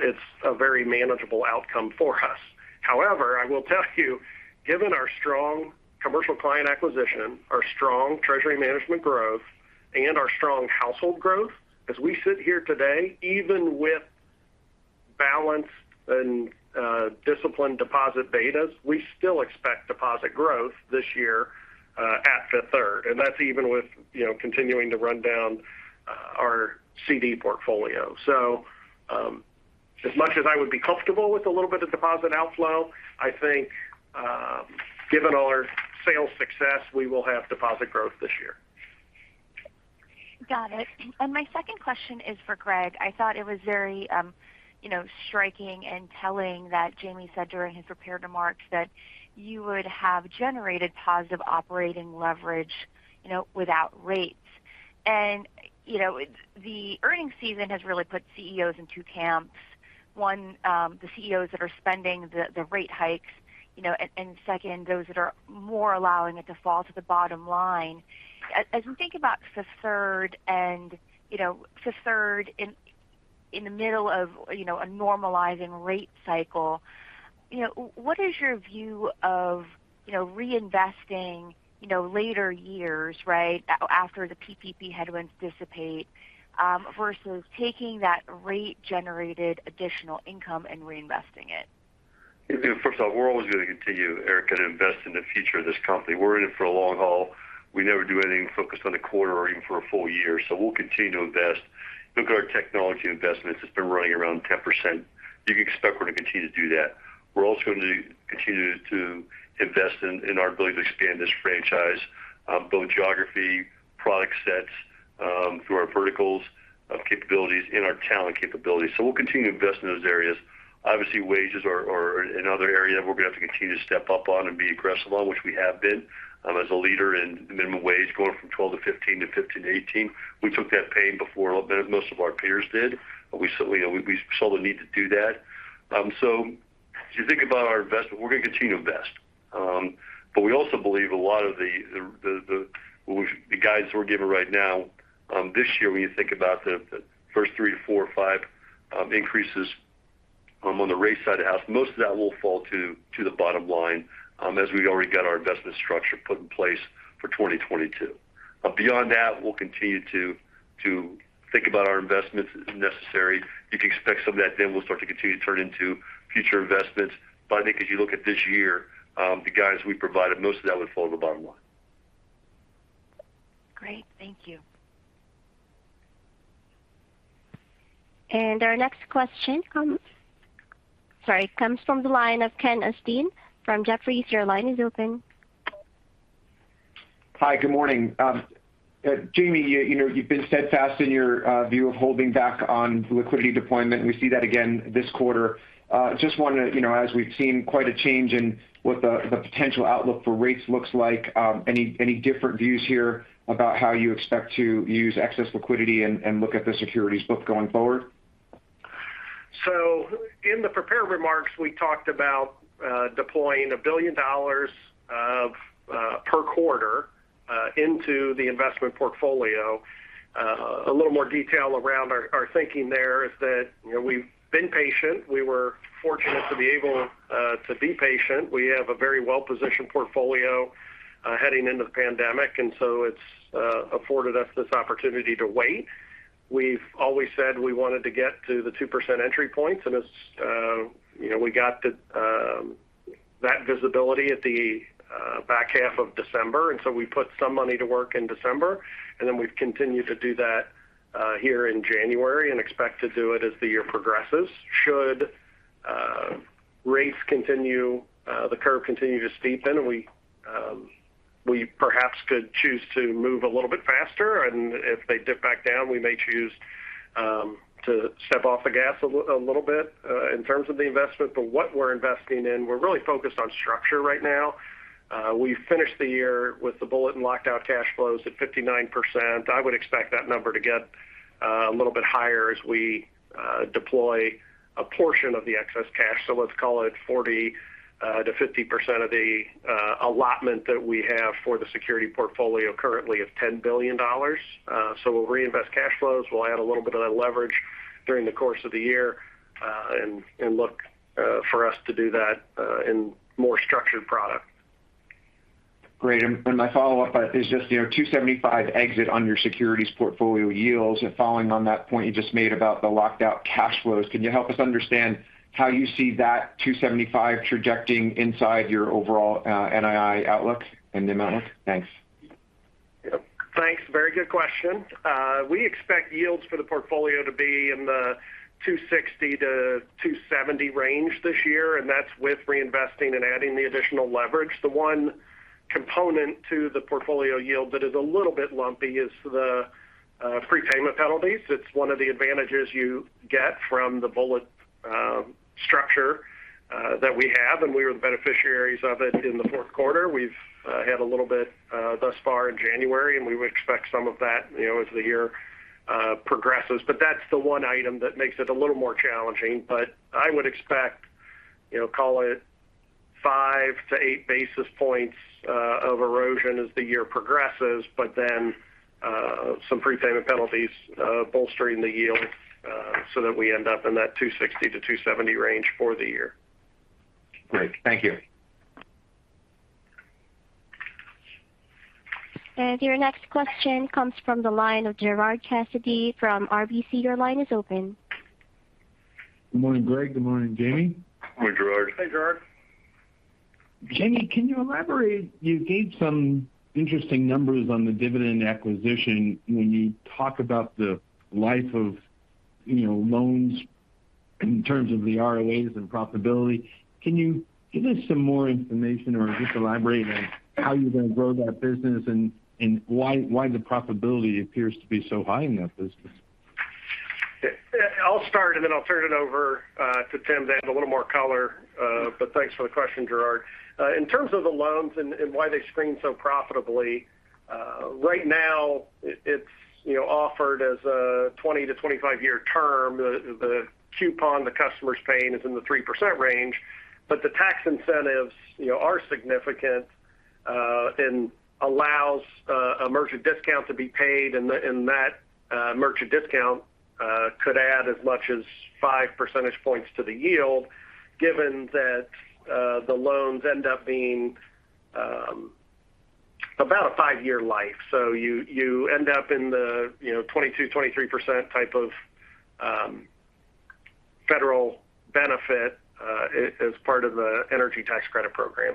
it's a very manageable outcome for us. However, I will tell you, given our strong commercial client acquisition, our strong treasury management growth, and our strong household growth, as we sit here today, even with balanced and, disciplined deposit betas, we still expect deposit growth this year, at Fifth Third. That's even with, you know, continuing to run down, our CD portfolio. As much as I would be comfortable with a little bit of deposit outflow, I think, given all our sales success, we will have deposit growth this year. Got it. My second question is for Greg. I thought it was very, you know, striking and telling that Jamie said during his prepared remarks that you would have generated positive operating leverage, you know, without rates. The earnings season has really put CEOs in two camps. One, the CEOs that are spending the rate hikes, you know, and second, those that are more allowing it to fall to the bottom line. As we think about Fifth Third and, you know, Fifth Third in the middle of, you know, a normalizing rate cycle, you know, what is your view of, you know, reinvesting, you know, later years, right? After the PPP headwinds dissipate, versus taking that rate-generated additional income and reinvesting it? First off, we're always going to continue, Erika, to invest in the future of this company. We're in it for a long haul. We never do anything focused on a quarter or even for a full year. We'll continue to invest. Look at our technology investments. It's been running around 10%. You can expect we're going to continue to do that. We're also going to continue to invest in our ability to expand this franchise, both geography, product sets, through our verticals of capabilities and our talent capabilities. We'll continue to invest in those areas. Obviously, wages are another area we're going to have to continue to step up on and be aggressive on which we have been, as a leader in minimum wage going from $12 to $15 to $15 to $18. We took that pain before most of our peers did. You know, we saw the need to do that. As you think about our investment, we're going to continue to invest. We also believe a lot of the guidance we're giving right now, this year, when you think about the first 3 to 4 or 5 increases on the rate side of the house, most of that will fall to the bottom line, as we already got our investment structure put in place for 2022. Beyond that, we'll continue to think about our investments as necessary. You can expect some of that, then, will start to continue to turn into future investments. I think as you look at this year, the guidance we provided, most of that would fall to the bottom line. Great. Thank you. Our next question comes from the line of Ken Usdin from Jefferies. Your line is open. Hi. Good morning. Jamie, you know, you've been steadfast in your view of holding back on liquidity deployment. We see that again this quarter. Just want to, you know, as we've seen quite a change in what the potential outlook for rates looks like, any different views here about how you expect to use excess liquidity and look at the securities book going forward? In the prepared remarks, we talked about deploying $1 billion of per quarter into the investment portfolio. A little more detail around our thinking there is that, you know, we've been patient. We were fortunate to be able to be patient. We have a very well-positioned portfolio heading into the pandemic, and so it's afforded us this opportunity to wait. We've always said we wanted to get to the 2% entry point, and it's, you know, we got that visibility at the back half of December, and so we put some money to work in December, and then we've continued to do that here in January and expect to do it as the year progresses. Should the curve continue to steepen, we perhaps could choose to move a little bit faster, and if they dip back down, we may choose to step off the gas a little bit in terms of the investment. What we're investing in, we're really focused on structure right now. We finished the year with the bullet and locked out cash flows at 59%. I would expect that number to get a little bit higher as we deploy a portion of the excess cash. Let's call it 40%-50% of the allotment that we have for the security portfolio currently of $10 billion. We'll reinvest cash flows. We'll add a little bit of that leverage during the course of the year, and look for us to do that in more structured product. Great. My follow-up is just, you know, 2.75% exit on your securities portfolio yields. Following on that point you just made about the locked out cash flows, can you help us understand how you see that 2.75% trajecting inside your overall, NII outlook and the amount? Thanks. Thanks. Very good question. We expect yields for the portfolio to be in the 2.60%-2.70% range this year, and that's with reinvesting and adding the additional leverage. The one component to the portfolio yield that is a little bit lumpy is the prepayment penalties. It's one of the advantages you get from the bullet structure that we have, and we were the beneficiaries of it in the fourth quarter. We've had a little bit thus far in January, and we would expect some of that, you know, as the year progresses. That's the one item that makes it a little more challenging. I would expect, you know, call it 5-8 basis points of erosion as the year progresses, but then some prepayment penalties bolstering the yield, so that we end up in that 260-270 range for the year. Great. Thank you. Your next question comes from the line of Gerard Cassidy from RBC. Your line is open. Good morning, Greg. Good morning, Jamie. Good morning, Gerard. Hey, Gerard. Jamie, can you elaborate? You gave some interesting numbers on the Dividend acquisition when you talk about the life of, you know, loans- In terms of the ROAs and profitability, can you give us some more information or just elaborate on how you're going to grow that business and why the profitability appears to be so high in that business? I'll start, and then I'll turn it over to Tim to add a little more color. Thanks for the question, Gerard. In terms of the loans and why they screen so profitably, right now it's, you know, offered as a 20- to 25-year term. The coupon the customer's paying is in the 3% range. The tax incentives, you know, are significant and allows a merchant discount to be paid. And that merchant discount could add as much as five percentage points to the yield, given that the loans end up being about a 5-year life. So you end up in the, you know, 22, 23% type of federal benefit as part of the energy tax credit program.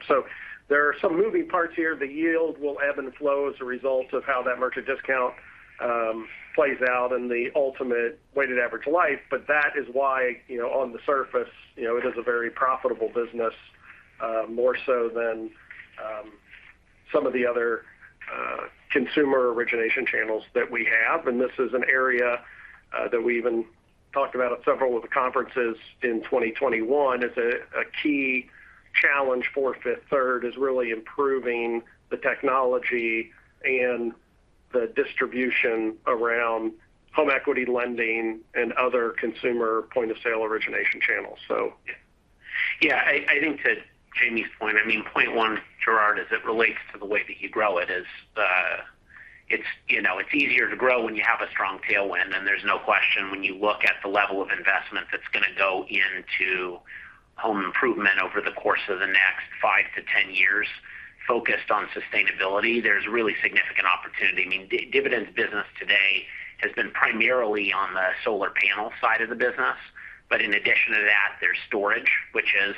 There are some moving parts here. The yield will ebb and flow as a result of how that merchant discount plays out in the ultimate weighted average life. That is why, you know, on the surface, you know, it is a very profitable business, more so than some of the other consumer origination channels that we have. This is an area that we even talked about at several of the conferences in 2021. It's a key challenge for Fifth Third is really improving the technology and the distribution around home equity lending and other consumer point-of-sale origination channels. Yeah. I think to Jamie's point, I mean, point one, Gerard, as it relates to the way that you grow it is. It's, you know, it's easier to grow when you have a strong tailwind. There's no question when you look at the level of investment that's going to go into home improvement over the course of the next five to 10 years focused on sustainability. There's really significant opportunity. I mean, Dividend's business today has been primarily on the solar panel side of the business. In addition to that, there's storage, which is,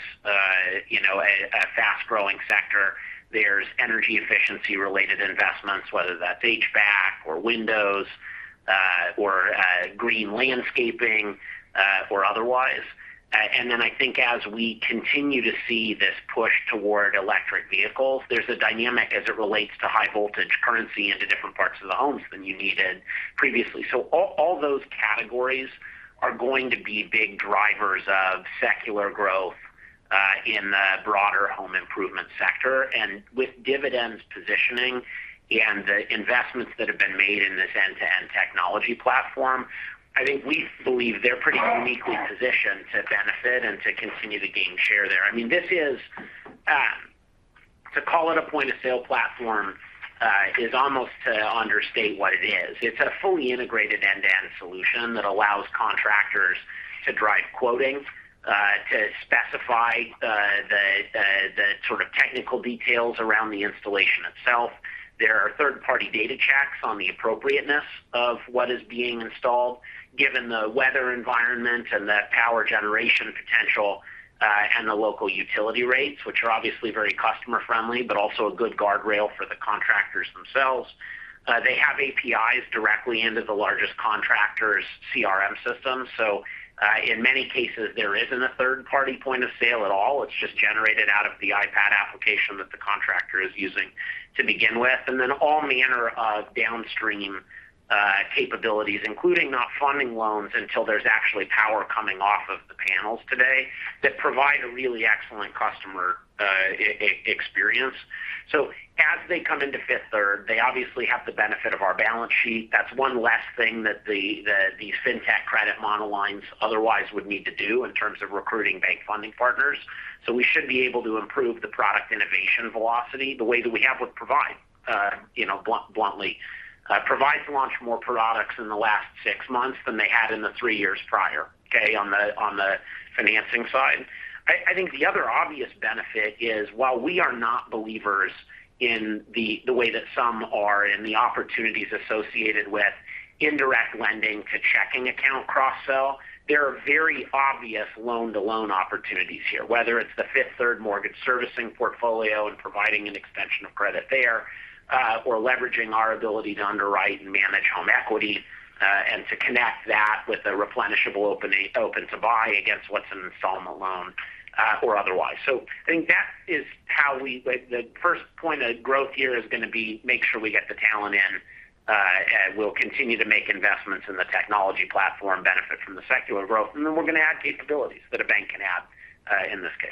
you know, a fast-growing sector. There's energy efficiency-related investments, whether that's HVAC or windows, or green landscaping, or otherwise. I think as we continue to see this push toward electric vehicles, there's a dynamic as it relates to high voltage current into different parts of the homes than you needed previously. All those categories are going to be big drivers of secular growth in the broader home improvement sector. With Dividend's positioning and the investments that have been made in this end-to-end technology platform, I think we believe they're pretty uniquely positioned to benefit and to continue to gain share there. I mean, to call it a point-of-sale platform is almost to understate what it is. It's a fully integrated end-to-end solution that allows contractors to drive quoting to specify the sort of technical details around the installation itself. There are third-party data checks on the appropriateness of what is being installed, given the weather environment and the power generation potential, and the local utility rates, which are obviously very customer-friendly, but also a good guardrail for the contractors themselves. They have APIs directly into the largest contractors' CRM system. In many cases, there isn't a third-party point of sale at all. It's just generated out of the iPad application that the contractor is using to begin with. Then all manner of downstream capabilities, including not funding loans until there's actually power coming off of the panels today that provide a really excellent customer experience. As they come into Fifth Third, they obviously have the benefit of our balance sheet. That's one less thing that the fintech credit monolines otherwise would need to do in terms of recruiting bank funding partners. We should be able to improve the product innovation velocity the way that we have with Provide, bluntly. Provide's launched more products in the last six months than they had in the three years prior, okay, on the financing side. I think the other obvious benefit is while we are not believers in the way that some are in the opportunities associated with indirect lending to checking account cross-sell, there are very obvious loan-to-loan opportunities here, whether it's the Fifth Third mortgage servicing portfolio and providing an extension of credit there, or leveraging our ability to underwrite and manage home equity, and to connect that with a replenishable opening to buy against what's an installment loan, or otherwise. I think that is how the first point of growth here is going to be to make sure we get the talent in. We'll continue to make investments in the technology platform to benefit from the secular growth. We're going to add capabilities that a bank can add in this case.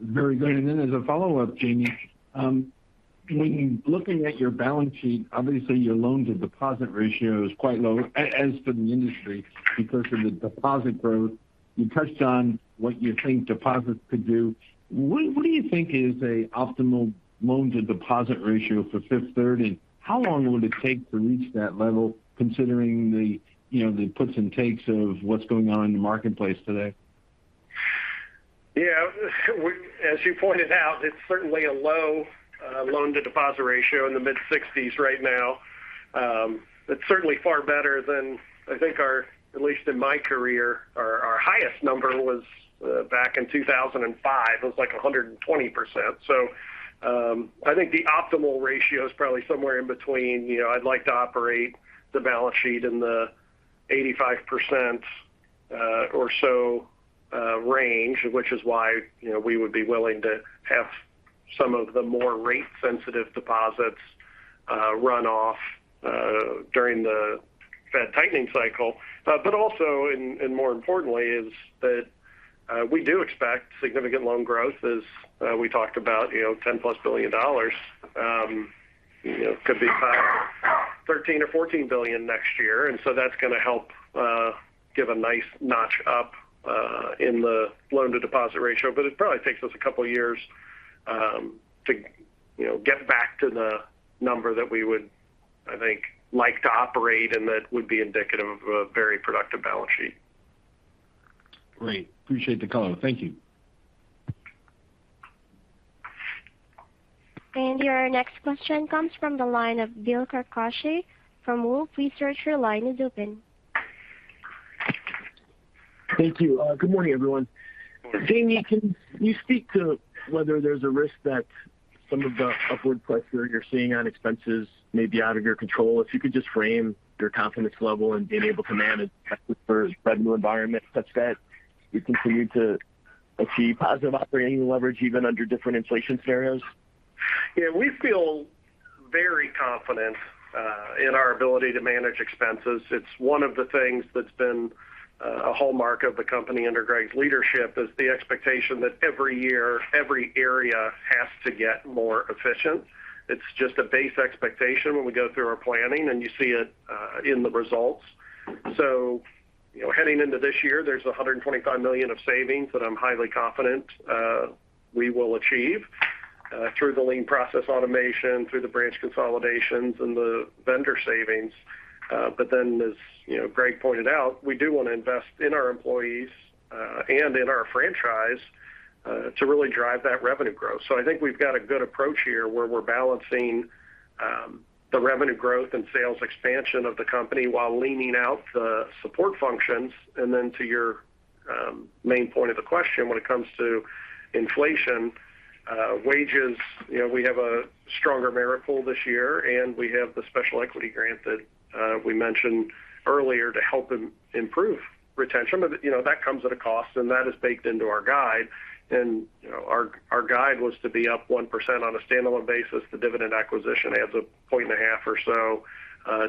Very good. Then as a follow-up, Jamie, when looking at your balance sheet, obviously your loan-to-deposit ratio is quite low as for the industry because of the deposit growth. You touched on what you think deposits could do. What do you think is an optimal loan-to-deposit ratio for Fifth Third? And how long would it take to reach that level considering the you know the puts and takes of what's going on in the marketplace today? Yeah. As you pointed out, it's certainly a low loan-to-deposit ratio in the mid-60s right now. It's certainly far better than I think our, at least in my career, our highest number was back in 2005. It was like 120%. I think the optimal ratio is probably somewhere in between. You know, I'd like to operate the balance sheet in the 85% or so range, which is why, you know, we would be willing to have some of the more rate-sensitive deposits run off during the Fed tightening cycle. But also more importantly is that we do expect significant loan growth as we talked about, you know, $10+ billion could be kind of $13 billion or $14 billion next year. That's going to help give a nice notch up in the loan-to-deposit ratio. It probably takes us a couple of years to you know get back to the number that we would I think like to operate and that would be indicative of a very productive balance sheet. Great. Appreciate the color. Thank you. Our next question comes from the line of Bill Carcache from Wolfe Research. Your line is open. Thank you. Good morning, everyone. Good morning. Jamie, can you speak to whether there's a risk that some of the upward pressure you're seeing on expenses may be out of your control? If you could just frame your confidence level in being able to manage expenses for a spread in new environment such that you continue to achieve positive operating leverage even under different inflation scenarios. Yeah. We feel very confident in our ability to manage expenses. It's one of the things that's been a hallmark of the company under Greg's leadership is the expectation that every year, every area has to get more efficient. It's just a base expectation when we go through our planning, and you see it in the results. You know, heading into this year, there's $125 million of savings that I'm highly confident we will achieve through the lean process automation, through the branch consolidations and the vendor savings. As, you know, Greg pointed out, we do want to invest in our employees and in our franchise to really drive that revenue growth. I think we've got a good approach here where we're balancing the revenue growth and sales expansion of the company while leaning out the support functions. Then to your main point of the question when it comes to inflation, wages, you know, we have a stronger merit pool this year, and we have the special equity grant that we mentioned earlier to help improve retention. You know, that comes at a cost, and that is baked into our guide. You know, our guide was to be up 1% on a standalone basis. The Dividend acquisition adds 1.5 points or so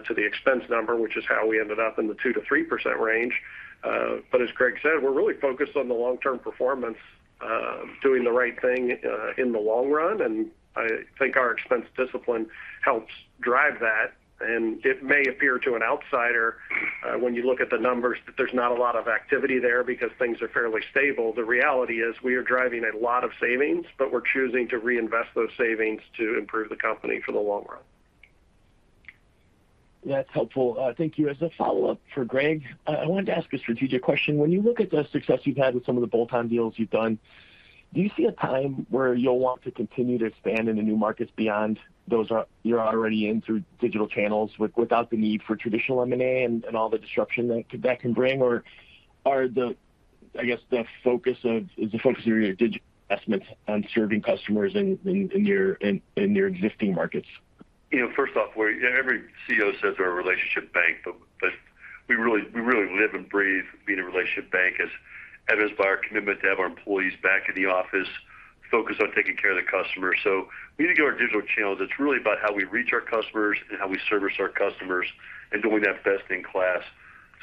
to the expense number, which is how we ended up in the 2%-3% range. As Greg said, we're really focused on the long-term performance, doing the right thing, in the long run, and I think our expense discipline helps drive that. It may appear to an outsider, when you look at the numbers, that there's not a lot of activity there because things are fairly stable. The reality is we are driving a lot of savings, but we're choosing to reinvest those savings to improve the company for the long run. That's helpful. Thank you. As a follow-up for Greg, I wanted to ask a strategic question. When you look at the success you've had with some of the bolt-on deals you've done, do you see a time where you'll want to continue to expand into new markets beyond those you're already in through digital channels with or without the need for traditional M&A and all the disruption that that can bring? Or is the focus of your digital investments on serving customers in your existing markets? You know, first off, where every CEO says we're a relationship bank, but we really live and breathe being a relationship bank as evidenced by our commitment to have our employees back in the office focus on taking care of the customer. When you think of our digital channels, it's really about how we reach our customers and how we service our customers and doing that best in class.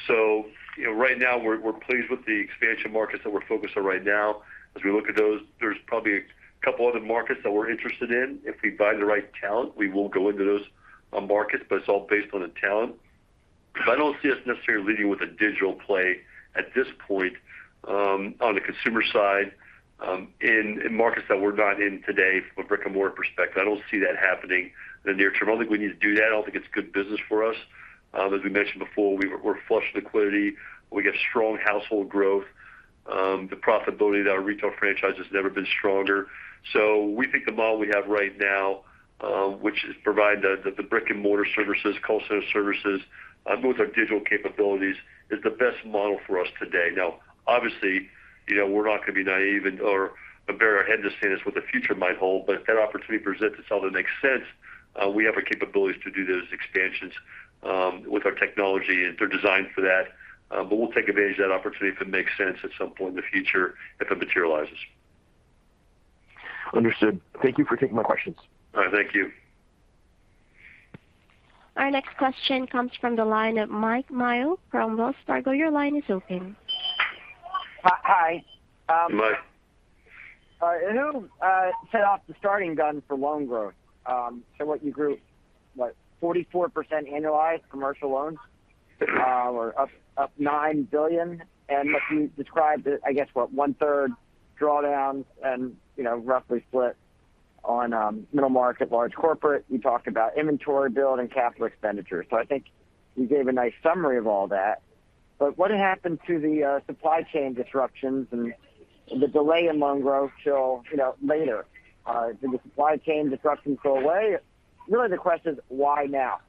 You know, right now we're pleased with the expansion markets that we're focused on right now. As we look at those, there's probably a couple other markets that we're interested in. If we find the right talent, we will go into those markets, but it's all based on the talent. I don't see us necessarily leading with a digital play at this point, on the consumer side, in markets that we're not in today from a brick-and-mortar perspective. I don't see that happening in the near term. I don't think we need to do that. I don't think it's good business for us. As we mentioned before, we're flush with liquidity. We got strong household growth. The profitability of our retail franchise has never been stronger. We think the model we have right now, which is provide the brick-and-mortar services, call center services, with our digital capabilities, is the best model for us today. Now, obviously, you know, we're not going to be naive or bury our head in the sand as what the future might hold. If that opportunity presents itself that makes sense, we have the capabilities to do those expansions, with our technology, and they're designed for that. We'll take advantage of that opportunity if it makes sense at some point in the future if it materializes. Understood. Thank you for taking my questions. All right. Thank you. Our next question comes from the line of Mike Mayo from Wells Fargo. Your line is open. Hi. Mike. All right. Who set off the starting gun for loan growth? What you grew, 44% annualized commercial loans, or up $9 billion. What you described, I guess, one-third drawdowns and, you know, roughly split on middle market, large corporate. You talked about inventory build and capital expenditures. I think you gave a nice summary of all that. What happened to the supply chain disruptions and the delay in loan growth till, you know, later? Did the supply chain disruptions go away? Really the question is why now?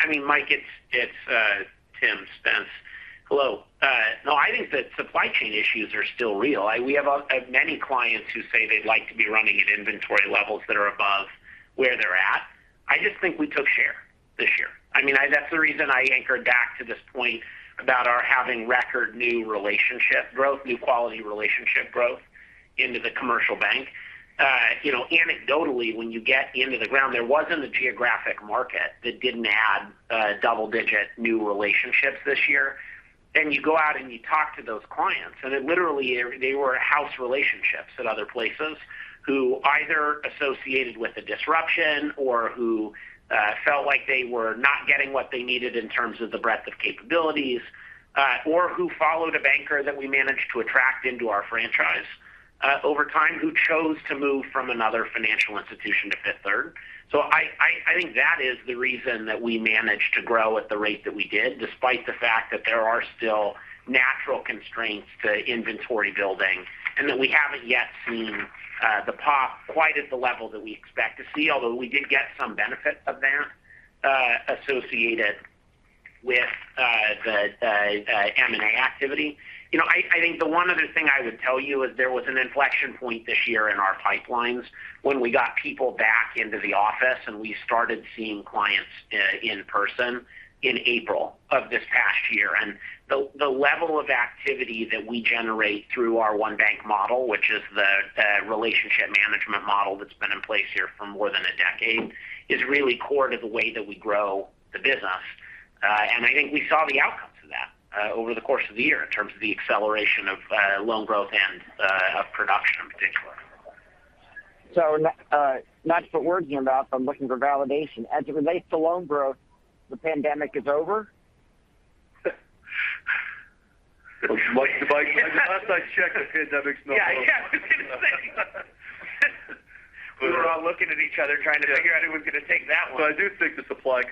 I mean, Mike, it's Tim Spence. Hello. No, I think that supply chain issues are still real. We have many clients who say they'd like to be running at inventory levels that are above where they're at. I just think we took share this year. I mean, that's the reason I anchored back to this point about our having record new relationship growth, new quality relationship growth into the commercial bank. You know, anecdotally, when you get into the ground, there wasn't a geographic market that didn't add double digit new relationships this year. You go out, and you talk to those clients. They were house relationships at other places who either associated with a disruption or who felt like they were not getting what they needed in terms of the breadth of capabilities, or who followed a banker that we managed to attract into our franchise over time who chose to move from another financial institution to Fifth Third. I think that is the reason that we managed to grow at the rate that we did, despite the fact that there are still natural constraints to inventory building and that we haven't yet seen the pop quite at the level that we expect to see. Although we did get some benefit of that associated with the M&A activity. You know, I think the one other thing I would tell you is there was an inflection point this year in our pipelines when we got people back into the office, and we started seeing clients in person in April of this past year. The level of activity that we generate through our one bank model which is the relationship management model that's been in place here for more than a decade is really core to the way that we grow the business. I think we saw the outcomes of that over the course of the year in terms of the acceleration of loan growth and production in particular. not to put words in your mouth, I'm looking for validation. As it relates to loan growth, the pandemic is over? Mike, the last I checked, the pandemic's not over. Yeah. Yeah. We were all looking at each other trying to figure out who was gonna take that one. I do think the supply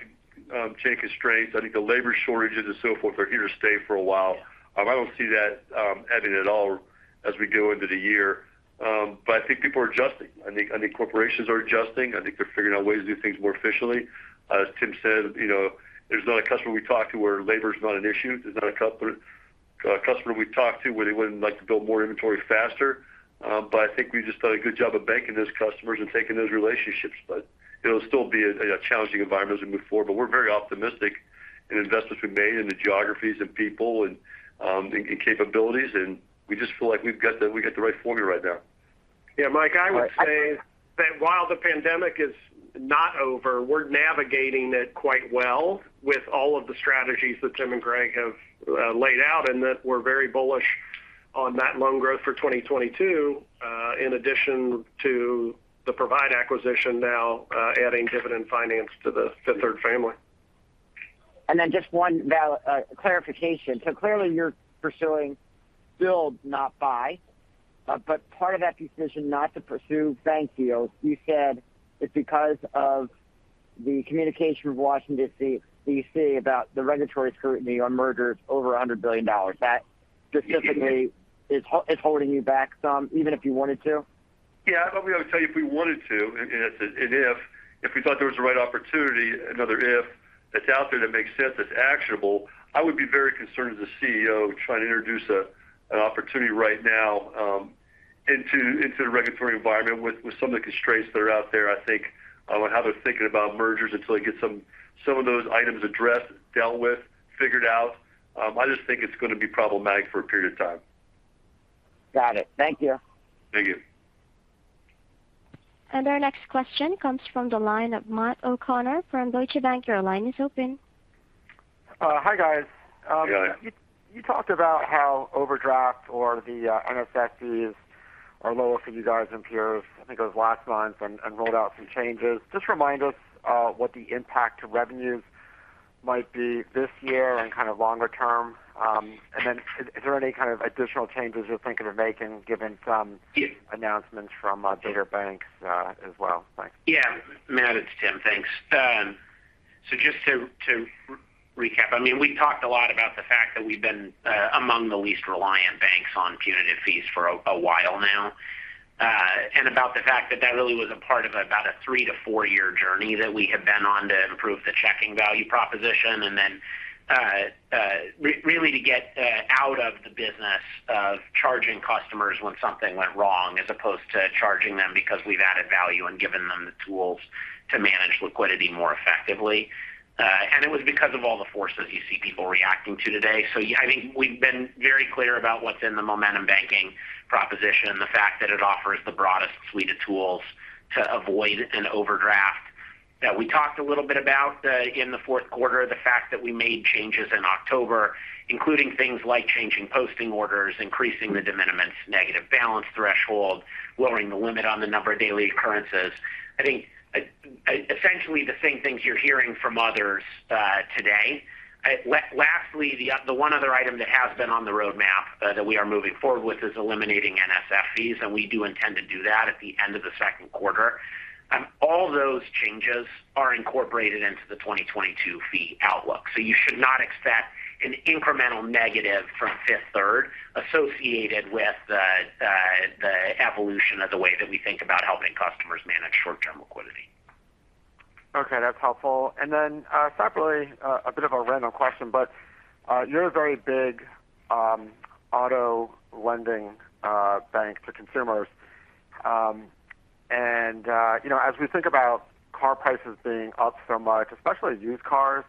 chain constraints, I think the labor shortages and so forth are here to stay for a while. I don't see that ending at all as we go into the year. I think people are adjusting. I think corporations are adjusting. I think they're figuring out ways to do things more efficiently. As Tim said, you know, there's not a customer we talk to where labor's not an issue. There's not a customer we talk to where they wouldn't like to build more inventory faster. I think we just done a good job of banking those customers and taking those relationships. It'll still be a challenging environment as we move forward. We're very optimistic in investments we've made in the geographies of people and and capabilities, and we just feel like we've got the right formula right now. Yeah. Mike, I would say that while the pandemic is not over, we're navigating it quite well with all of the strategies that Tim and Greg have laid out and that we're very bullish on that loan growth for 2022, in addition to the Provide acquisition now, adding Dividend Finance to the Fifth Third family. Just one clarification. Clearly you're pursuing build, not buy. But part of that decision not to pursue bank deals, you said it's because of the communication from Washington, D.C. about the regulatory scrutiny on mergers over $100 billion. That specifically is holding you back some even if you wanted to? Yeah. I probably ought to tell you if we wanted to, and it's an if. If we thought there was the right opportunity, another if, that's out there that makes sense, that's actionable. I would be very concerned as a CEO trying to introduce an opportunity right now into the regulatory environment with some of the constraints that are out there. I think on how they're thinking about mergers until they get some of those items addressed, dealt with, figured out. I just think it's gonna be problematic for a period of time. Got it. Thank you. Thank you. Our next question comes from the line of Matt O'Connor from Deutsche Bank. Your line is open. Hi, guys. Good. You talked about how overdraft or the NSF fees are lower for you guys than peers, I think it was last month, and rolled out some changes. Just remind us what the impact to revenues might be this year and kind of longer term. Is there any kind of additional changes you're thinking of making given some announcements from bigger banks as well? Thanks. Yeah. Matt, it's Tim. Thanks. Just to recap, I mean, we talked a lot about the fact that we've been among the least reliant banks on punitive fees for a while now. About the fact that that really was a part of about a 3-4-year journey that we have been on to improve the checking value proposition and then really to get out of the business of charging customers when something went wrong as opposed to charging them because we've added value and given them the tools to manage liquidity more effectively. It was because of all the forces you see people reacting to today. I think we've been very clear about what's in the Momentum Banking proposition and the fact that it offers the broadest suite of tools to avoid an overdraft that we talked a little bit about in the fourth quarter. The fact that we made changes in October, including things like changing posting orders, increasing the de minimis negative balance threshold, lowering the limit on the number of daily occurrences. I think essentially the same things you're hearing from others today. Lastly, the one other item that has been on the roadmap that we are moving forward with is eliminating NSF fees, and we do intend to do that at the end of the second quarter. All those changes are incorporated into the 2022 fee outlook. You should not expect an incremental negative from Fifth Third associated with the evolution of the way that we think about helping customers manage short-term liquidity. Okay, that's helpful. It's not really a bit of a random question, but you're a very big auto lending bank to consumers. And you know, as we think about car prices being up so much, especially used cars,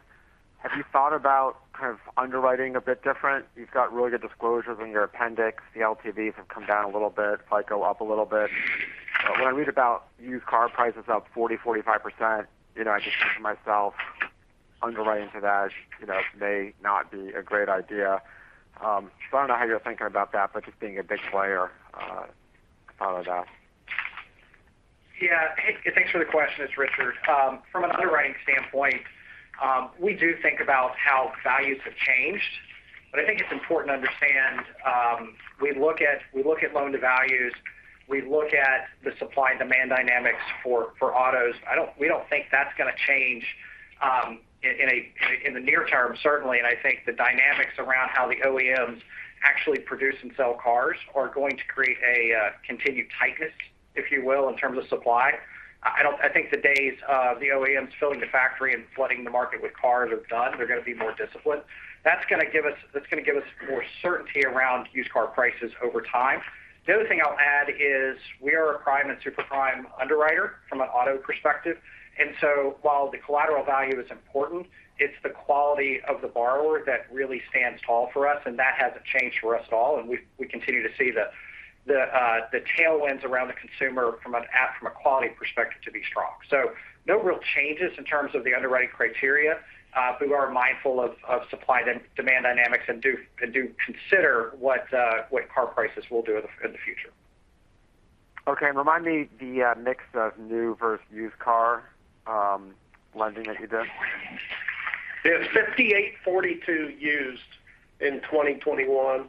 have you thought about kind of underwriting a bit different? You've got really good disclosures in your appendix. The LTVs have come down a little bit, FICO up a little bit. When I read about used car prices up 40%-45%, you know, I just think to myself, underwriting to that, you know, may not be a great idea. I don't know how you're thinking about that, but just being a big player, thought of that. Yeah. Thanks for the question. It's Richard. From an underwriting standpoint, we do think about how values have changed, but I think it's important to understand, we look at loan to values. We look at the supply and demand dynamics for autos. We don't think that's gonna change in the near term, certainly. I think the dynamics around how the OEMs actually produce and sell cars are going to create a continued tightness, if you will, in terms of supply. I think the days of the OEMs filling the factory and flooding the market with cars are done. They're gonna be more disciplined. That's gonna give us more certainty around used car prices over time. The other thing I'll add is we are a prime and super prime underwriter from an auto perspective. While the collateral value is important, it's the quality of the borrower that really stands tall for us, and that hasn't changed for us at all. We continue to see the tailwinds around the consumer from an overall, from a quality perspective to be strong. No real changes in terms of the underwriting criteria. We are mindful of supply and demand dynamics and do consider what car prices will do in the future. Okay. Remind me the mix of new versus used car lending that you do? It was 58/42 used in 2021.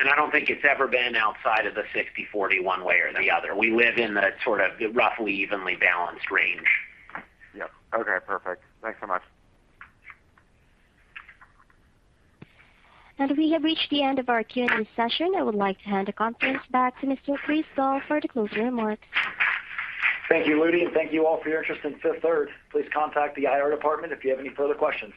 I don't think it's ever been outside of the 60/40 one way or the other. We live in the sort of roughly evenly balanced range. Yep. Okay, perfect. Thanks so much. We have reached the end of our Q&A session. I would like to hand the conference back to Mr. Chris Doll for the closing remarks. Thank you, Ludy. Thank you all for your interest in Fifth Third. Please contact the IR department if you have any further questions.